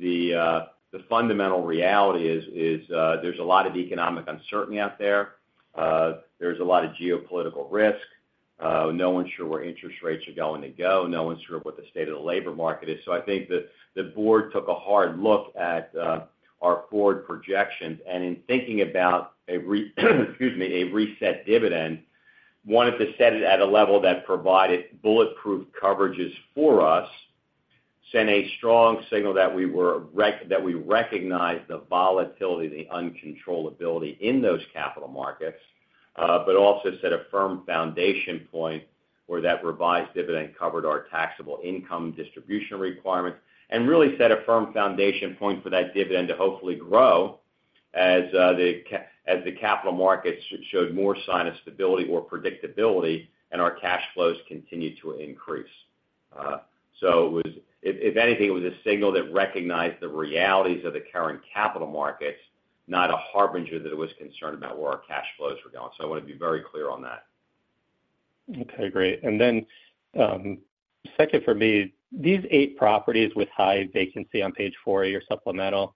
The fundamental reality is there's a lot of economic uncertainty out there. There's a lot of geopolitical risk. No one's sure where interest rates are going to go. No one's sure what the state of the labor market is. So I think the board took a hard look at our forward projections, and in thinking about a reset dividend, wanted to set it at a level that provided bulletproof coverages for us, sent a strong signal that we recognized the volatility, the uncontrollability in those capital markets. But also set a firm foundation point where that revised dividend covered our taxable income distribution requirements, and really set a firm foundation point for that dividend to hopefully grow as the capital markets showed more sign of stability or predictability, and our cash flows continued to increase. So if anything, it was a signal that recognized the realities of the current capital markets, not a harbinger that it was concerned about where our cash flows were going. So I want to be very clear on that. Okay, great. And then, second for me, these eight properties with high vacancy on page four of your supplemental,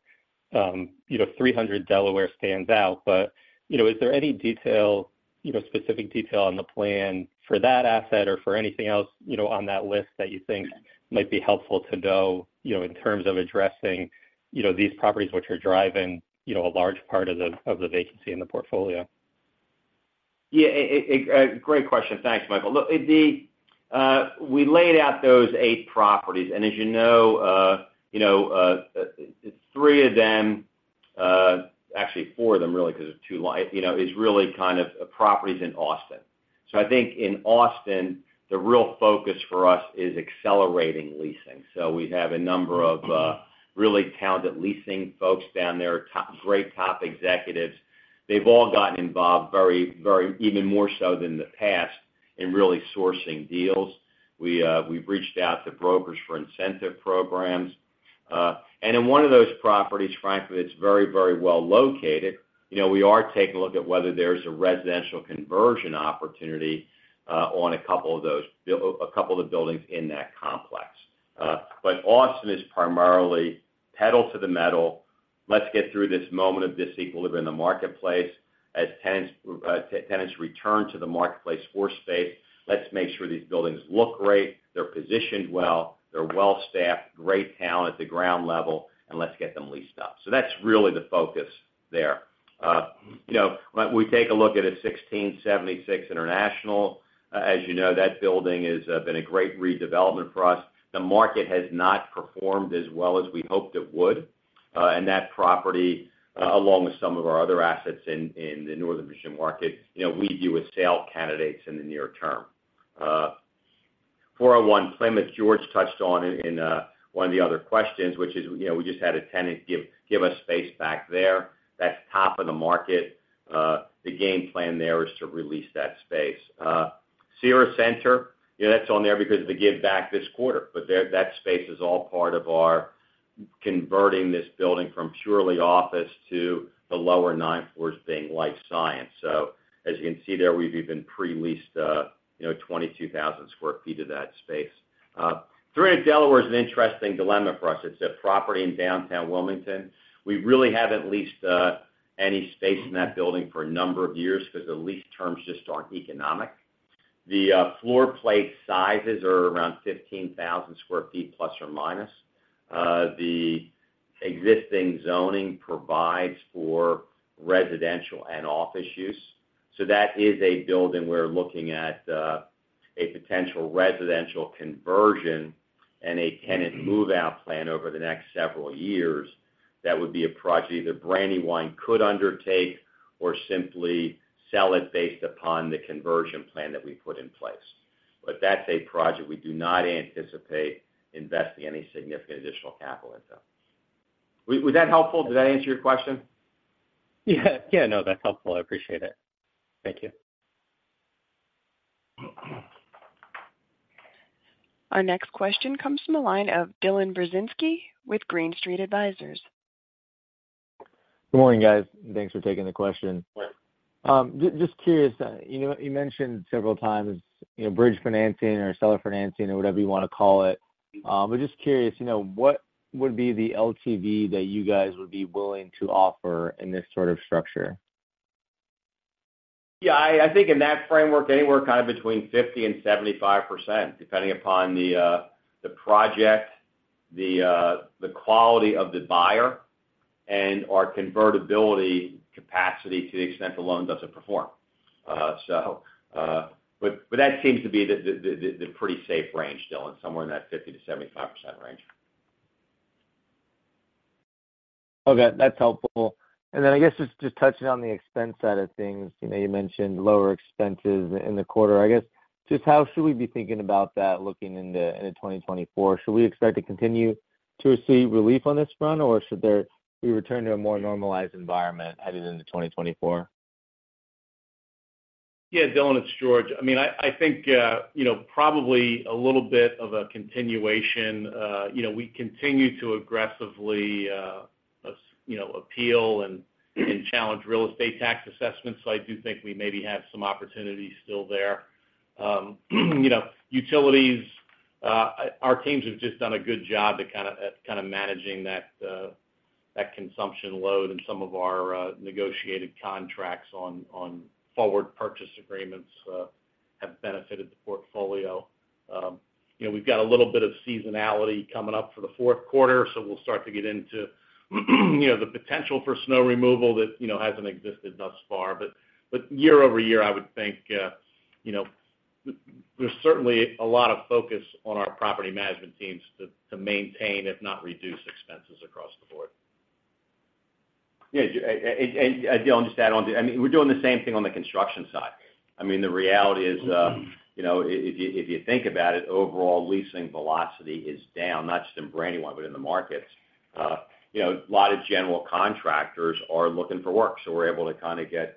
you know, 300 Delaware stands out, but, you know, is there any detail, you know, specific detail on the plan for that asset or for anything else, you know, on that list that you think might be helpful to know, you know, in terms of addressing, you know, these properties which are driving, you know, a large part of the, of the vacancy in the portfolio? Yeah, great question. Thanks, Michael. Look, we laid out those eight properties, and as you know, you know, three of them, actually four of them, really, because it's two line, you know, is really kind of properties in Austin. So I think in Austin, the real focus for us is accelerating leasing. So we have a number of really talented leasing folks down there, great top executives. They've all gotten involved very, very, even more so than in the past, in really sourcing deals. We've reached out to brokers for incentive programs. And in one of those properties, frankly, it's very, very well located. You know, we are taking a look at whether there's a residential conversion opportunity, on a couple of those, a couple of the buildings in that complex. But Austin is primarily pedal to the metal. Let's get through this moment of disequilibrium in the marketplace. As tenants return to the marketplace for space, let's make sure these buildings look great, they're positioned well, they're well-staffed, great talent at the ground level, and let's get them leased up. So that's really the focus there. You know, when we take a look at it, 1676 International, as you know, that building has been a great redevelopment for us. The market has not performed as well as we hoped it would, and that property, along with some of our other assets in the Northern Virginia market, you know, we view as sale candidates in the near term. 401 Plymouth, George touched on in one of the other questions, which is, you know, we just had a tenant give us space back there. That's top of the market. The game plan there is to release that space. Cira Center, yeah, that's on there because of the give back this quarter, but there, that space is all part of our converting this building from purely office to the lower ninth floors being life science. So as you can see there, we've even pre-leased, you know, 22,000 sq ft of that space. 300 Delaware is an interesting dilemma for us. It's a property in downtown Wilmington. We really haven't leased any space in that building for a number of years because the lease terms just aren't economic. The floor plate sizes are around 15,000 sq ft ±. The existing zoning provides for residential and office use, so that is a building we're looking at, a potential residential conversion and a tenant move-out plan over the next several years. That would be a project either Brandywine could undertake or simply sell it based upon the conversion plan that we put in place. But that's a project we do not anticipate investing any significant additional capital into. Was that helpful? Did that answer your question? Yeah. Yeah, no, that's helpful. I appreciate it. Thank you. Our next question comes from the line of Dylan Burzinski with Green Street Advisors. Good morning, guys. Thanks for taking the question. Sure. Just curious, you know, you mentioned several times, you know, bridge financing or seller financing or whatever you want to call it. But just curious, you know, what would be the LTV that you guys would be willing to offer in this sort of structure? Yeah, I think in that framework, anywhere kind of between 50% and 75%, depending upon the project, the quality of the buyer, and our convertibility capacity to the extent the loan doesn't perform. So, but that seems to be the pretty safe range, Dylan, somewhere in that 50%-75% range. Okay, that's helpful. And then I guess just, just touching on the expense side of things, you know, you mentioned lower expenses in the quarter. I guess, just how should we be thinking about that looking into, into 2024? Should we expect to continue to see relief on this front, or should we return to a more normalized environment headed into 2024? Yeah, Dylan, it's George. I mean, I, I think, you know, probably a little bit of a continuation. You know, we continue to aggressively, as you know, appeal and, and challenge real estate tax assessments. So I do think we maybe have some opportunities still there. You know, utilities, our teams have just done a good job at kind of, kind of managing that, that consumption load and some of our, negotiated contracts on, on forward purchase agreements, have benefited the portfolio. You know, we've got a little bit of seasonality coming up for the fourth quarter, so we'll start to get into, you know, the potential for snow removal that, you know, hasn't existed thus far. But year over year, I would think, you know, there's certainly a lot of focus on our property management teams to maintain, if not reduce, expenses across the board. Yeah, and, Dylan, just to add on to... I mean, we're doing the same thing on the construction side. I mean, the reality is, you know, if you, if you think about it, overall leasing velocity is down, not just in Brandywine, but in the markets. You know, a lot of general contractors are looking for work, so we're able to kind of get,...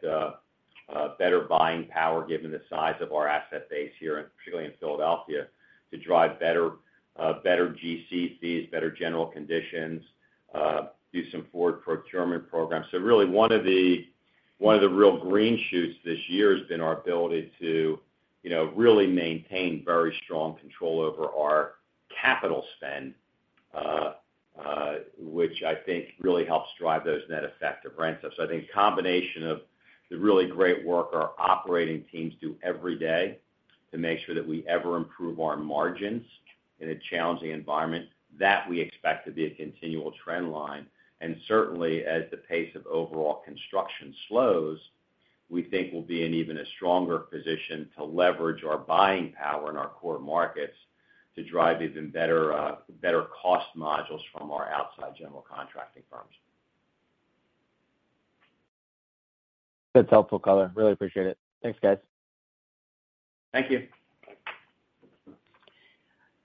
better buying power, given the size of our asset base here, and particularly in Philadelphia, to drive better, better GC fees, better general conditions, do some forward procurement programs. So really, one of the, one of the real green shoots this year has been our ability to, you know, really maintain very strong control over our capital spend, which I think really helps drive those net effect of rent. So I think combination of the really great work our operating teams do every day to make sure that we ever improve our margins in a challenging environment, that we expect to be a continual trend line. Certainly, as the pace of overall construction slows, we think we'll be in even a stronger position to leverage our buying power in our core markets to drive even better, better cost modules from our outside general contracting firms. That's helpful color. Really appreciate it. Thanks, guys. Thank you.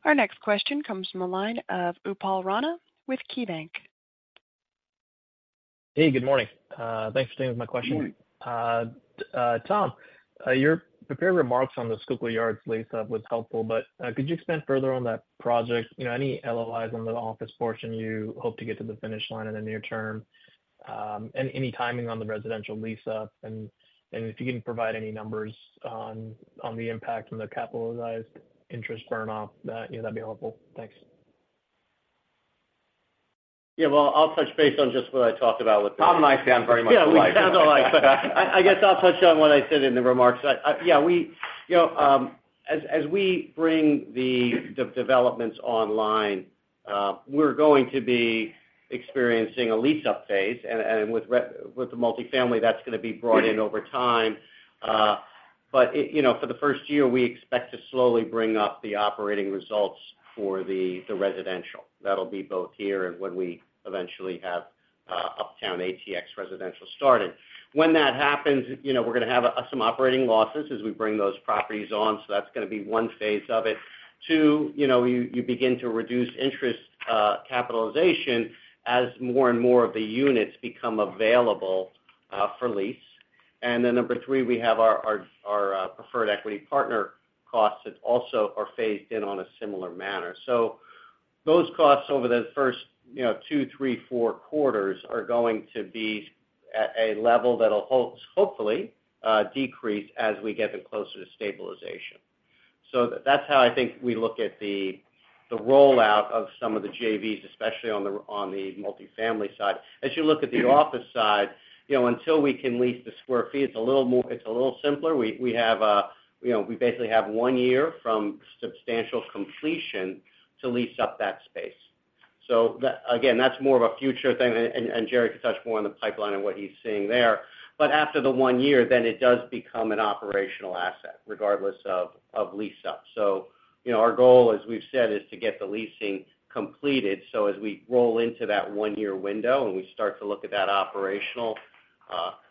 Our next question comes from the line of Upal Rana with KeyBanc. Hey, good morning. Thanks for taking my question. Good morning. Tom, your prepared remarks on the Schuylkill Yards lease-up was helpful, but could you expand further on that project? You know, any LOIs on the office portion you hope to get to the finish line in the near term, and any timing on the residential lease-up, and if you can provide any numbers on the impact from the capitalized interest burn-off, you know, that'd be helpful. Thanks. Yeah, well, I'll touch base on just what I talked about with- Tom and I sound very much alike. Yeah, we sound alike. I guess I'll touch on what I said in the remarks. Yeah, we, you know, as we bring the developments online, we're going to be experiencing a lease-up phase, and with the multifamily, that's gonna be brought in over time. But it, you know, for the first year, we expect to slowly bring up the operating results for the residential. That'll be both here and when we eventually have Uptown ATX residential started. When that happens, you know, we're gonna have some operating losses as we bring those properties on, so that's gonna be one phase of it. Two, you know, you begin to reduce interest capitalization as more and more of the units become available for lease. And then number 3, we have our preferred equity partner costs that also are phased in on a similar manner. So those costs over the first, you know, 2, 3, 4 quarters are going to be at a level that'll hopefully decrease as we get them closer to stabilization. So that's how I think we look at the rollout of some of the JVs, especially on the multifamily side. As you look at the office side, you know, until we can lease the square feet, it's a little more. It's a little simpler. We have, you know, we basically have 1 year from substantial completion to lease up that space. So that, again, that's more of a future thing, and Jerry can touch more on the pipeline and what he's seeing there. After the one year, then it does become an operational asset, regardless of lease-up. So, you know, our goal, as we've said, is to get the leasing completed, so as we roll into that one-year window and we start to look at that operational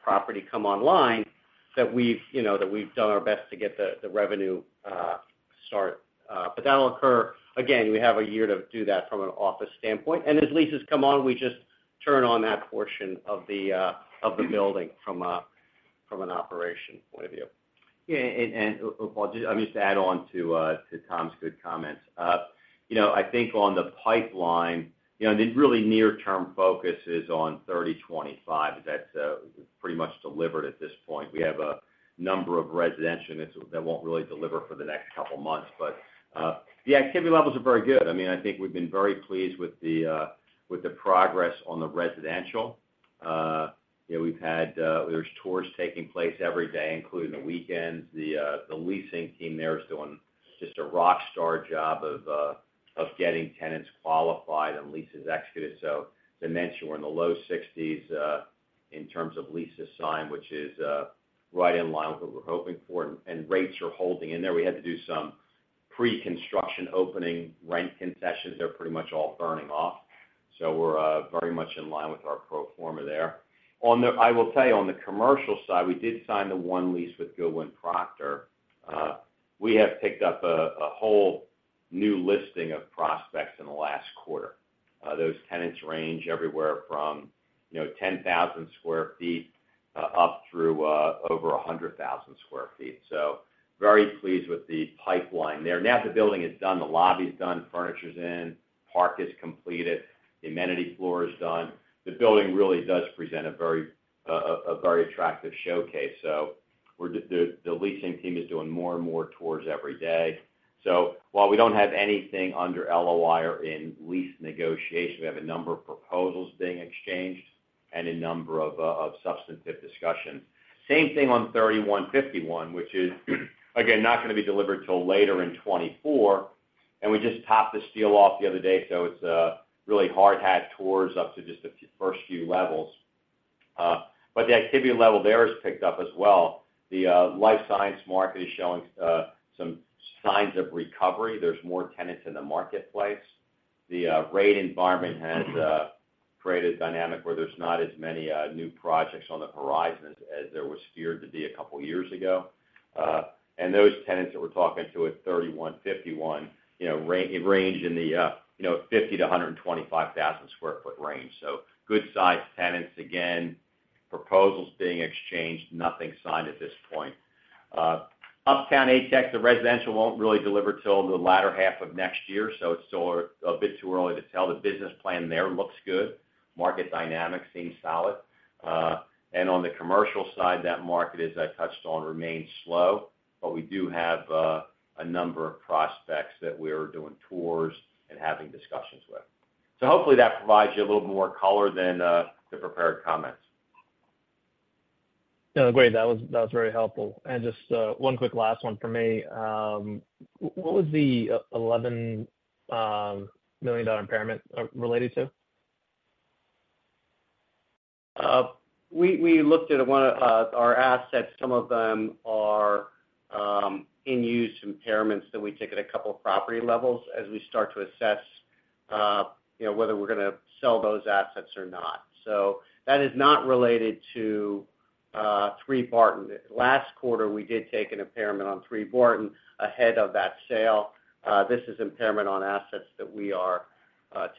property come online, that we've, you know, that we've done our best to get the revenue start. That'll occur. Again, we have a year to do that from an office standpoint. As leases come on, we just turn on that portion of the building from an operation point of view. Yeah, and, Upal, just to add on to Tom's good comments. You know, I think on the pipeline, you know, and the really near-term focus is on 3025. That's pretty much delivered at this point. We have a number of residential units that won't really deliver for the next couple of months. But the activity levels are very good. I mean, I think we've been very pleased with the progress on the residential. You know, we've had tours taking place every day, including the weekends. The leasing team there is doing just a rockstar job of getting tenants qualified and leases executed. So to mention, we're in the low 60s in terms of leases signed, which is right in line with what we're hoping for, and, and rates are holding in there. We had to do some pre-construction opening rent concessions. They're pretty much all burning off, so we're very much in line with our pro forma there. On the—I will tell you, on the commercial side, we did sign the one lease with Goodwin Procter. We have picked up a, a whole new listing of prospects in the last quarter. Those tenants range everywhere from, you know, 10,000 sq ft up through over 100,000 sq ft. So very pleased with the pipeline there. Now, the building is done, the lobby's done, furniture's in, park is completed, amenity floor is done. The building really does present a very attractive showcase, so we're just the leasing team is doing more and more tours every day. So while we don't have anything under LOI or in lease negotiation, we have a number of proposals being exchanged and a number of substantive discussions. Same thing on 3151, which is, again, not gonna be delivered till later in 2024, and we just topped the steel off the other day, so it's really hard hat tours up to just the first few levels. But the activity level there has picked up as well. The life science market is showing some signs of recovery. There's more tenants in the marketplace. The rate environment has created a dynamic where there's not as many new projects on the horizon as there was feared to be a couple years ago. And those tenants that we're talking to at 3151, you know, it ranged in the, you know, 50-125,000 sq ft range. So good-sized tenants. Again, proposals being exchanged, nothing signed at this point. Uptown ATX, the residential won't really deliver till the latter half of next year, so it's still a bit too early to tell. The business plan there looks good. Market dynamics seem solid. And on the commercial side, that market, as I touched on, remains slow, but we do have a number of prospects that we are doing tours and having discussions with. So hopefully, that provides you a little more color than the prepared comments. No, great, that was, that was very helpful. Just one quick last one for me. What was the $11 million impairment related to? We looked at one of our assets. Some of them are in use impairments that we took at a couple of property levels as we start to assess, you know, whether we're gonna sell those assets or not. So that is not related to Three Barton. Last quarter, we did take an impairment on Three Barton ahead of that sale. This is impairment on assets that we are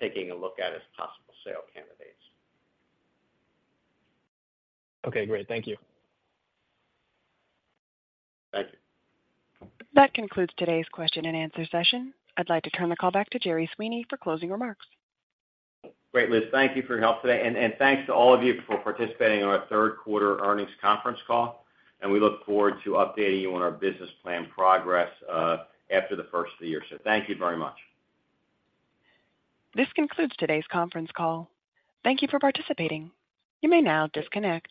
taking a look at as possible sale candidates. Okay, great. Thank you. Thank you. That concludes today's question and answer session. I'd like to turn the call back to Jerry Sweeney for closing remarks. Great, Liz. Thank you for your help today, and thanks to all of you for participating in our third quarter earnings conference call, and we look forward to updating you on our business plan progress, after the first of the year. So thank you very much. This concludes today's conference call. Thank you for participating. You may now disconnect.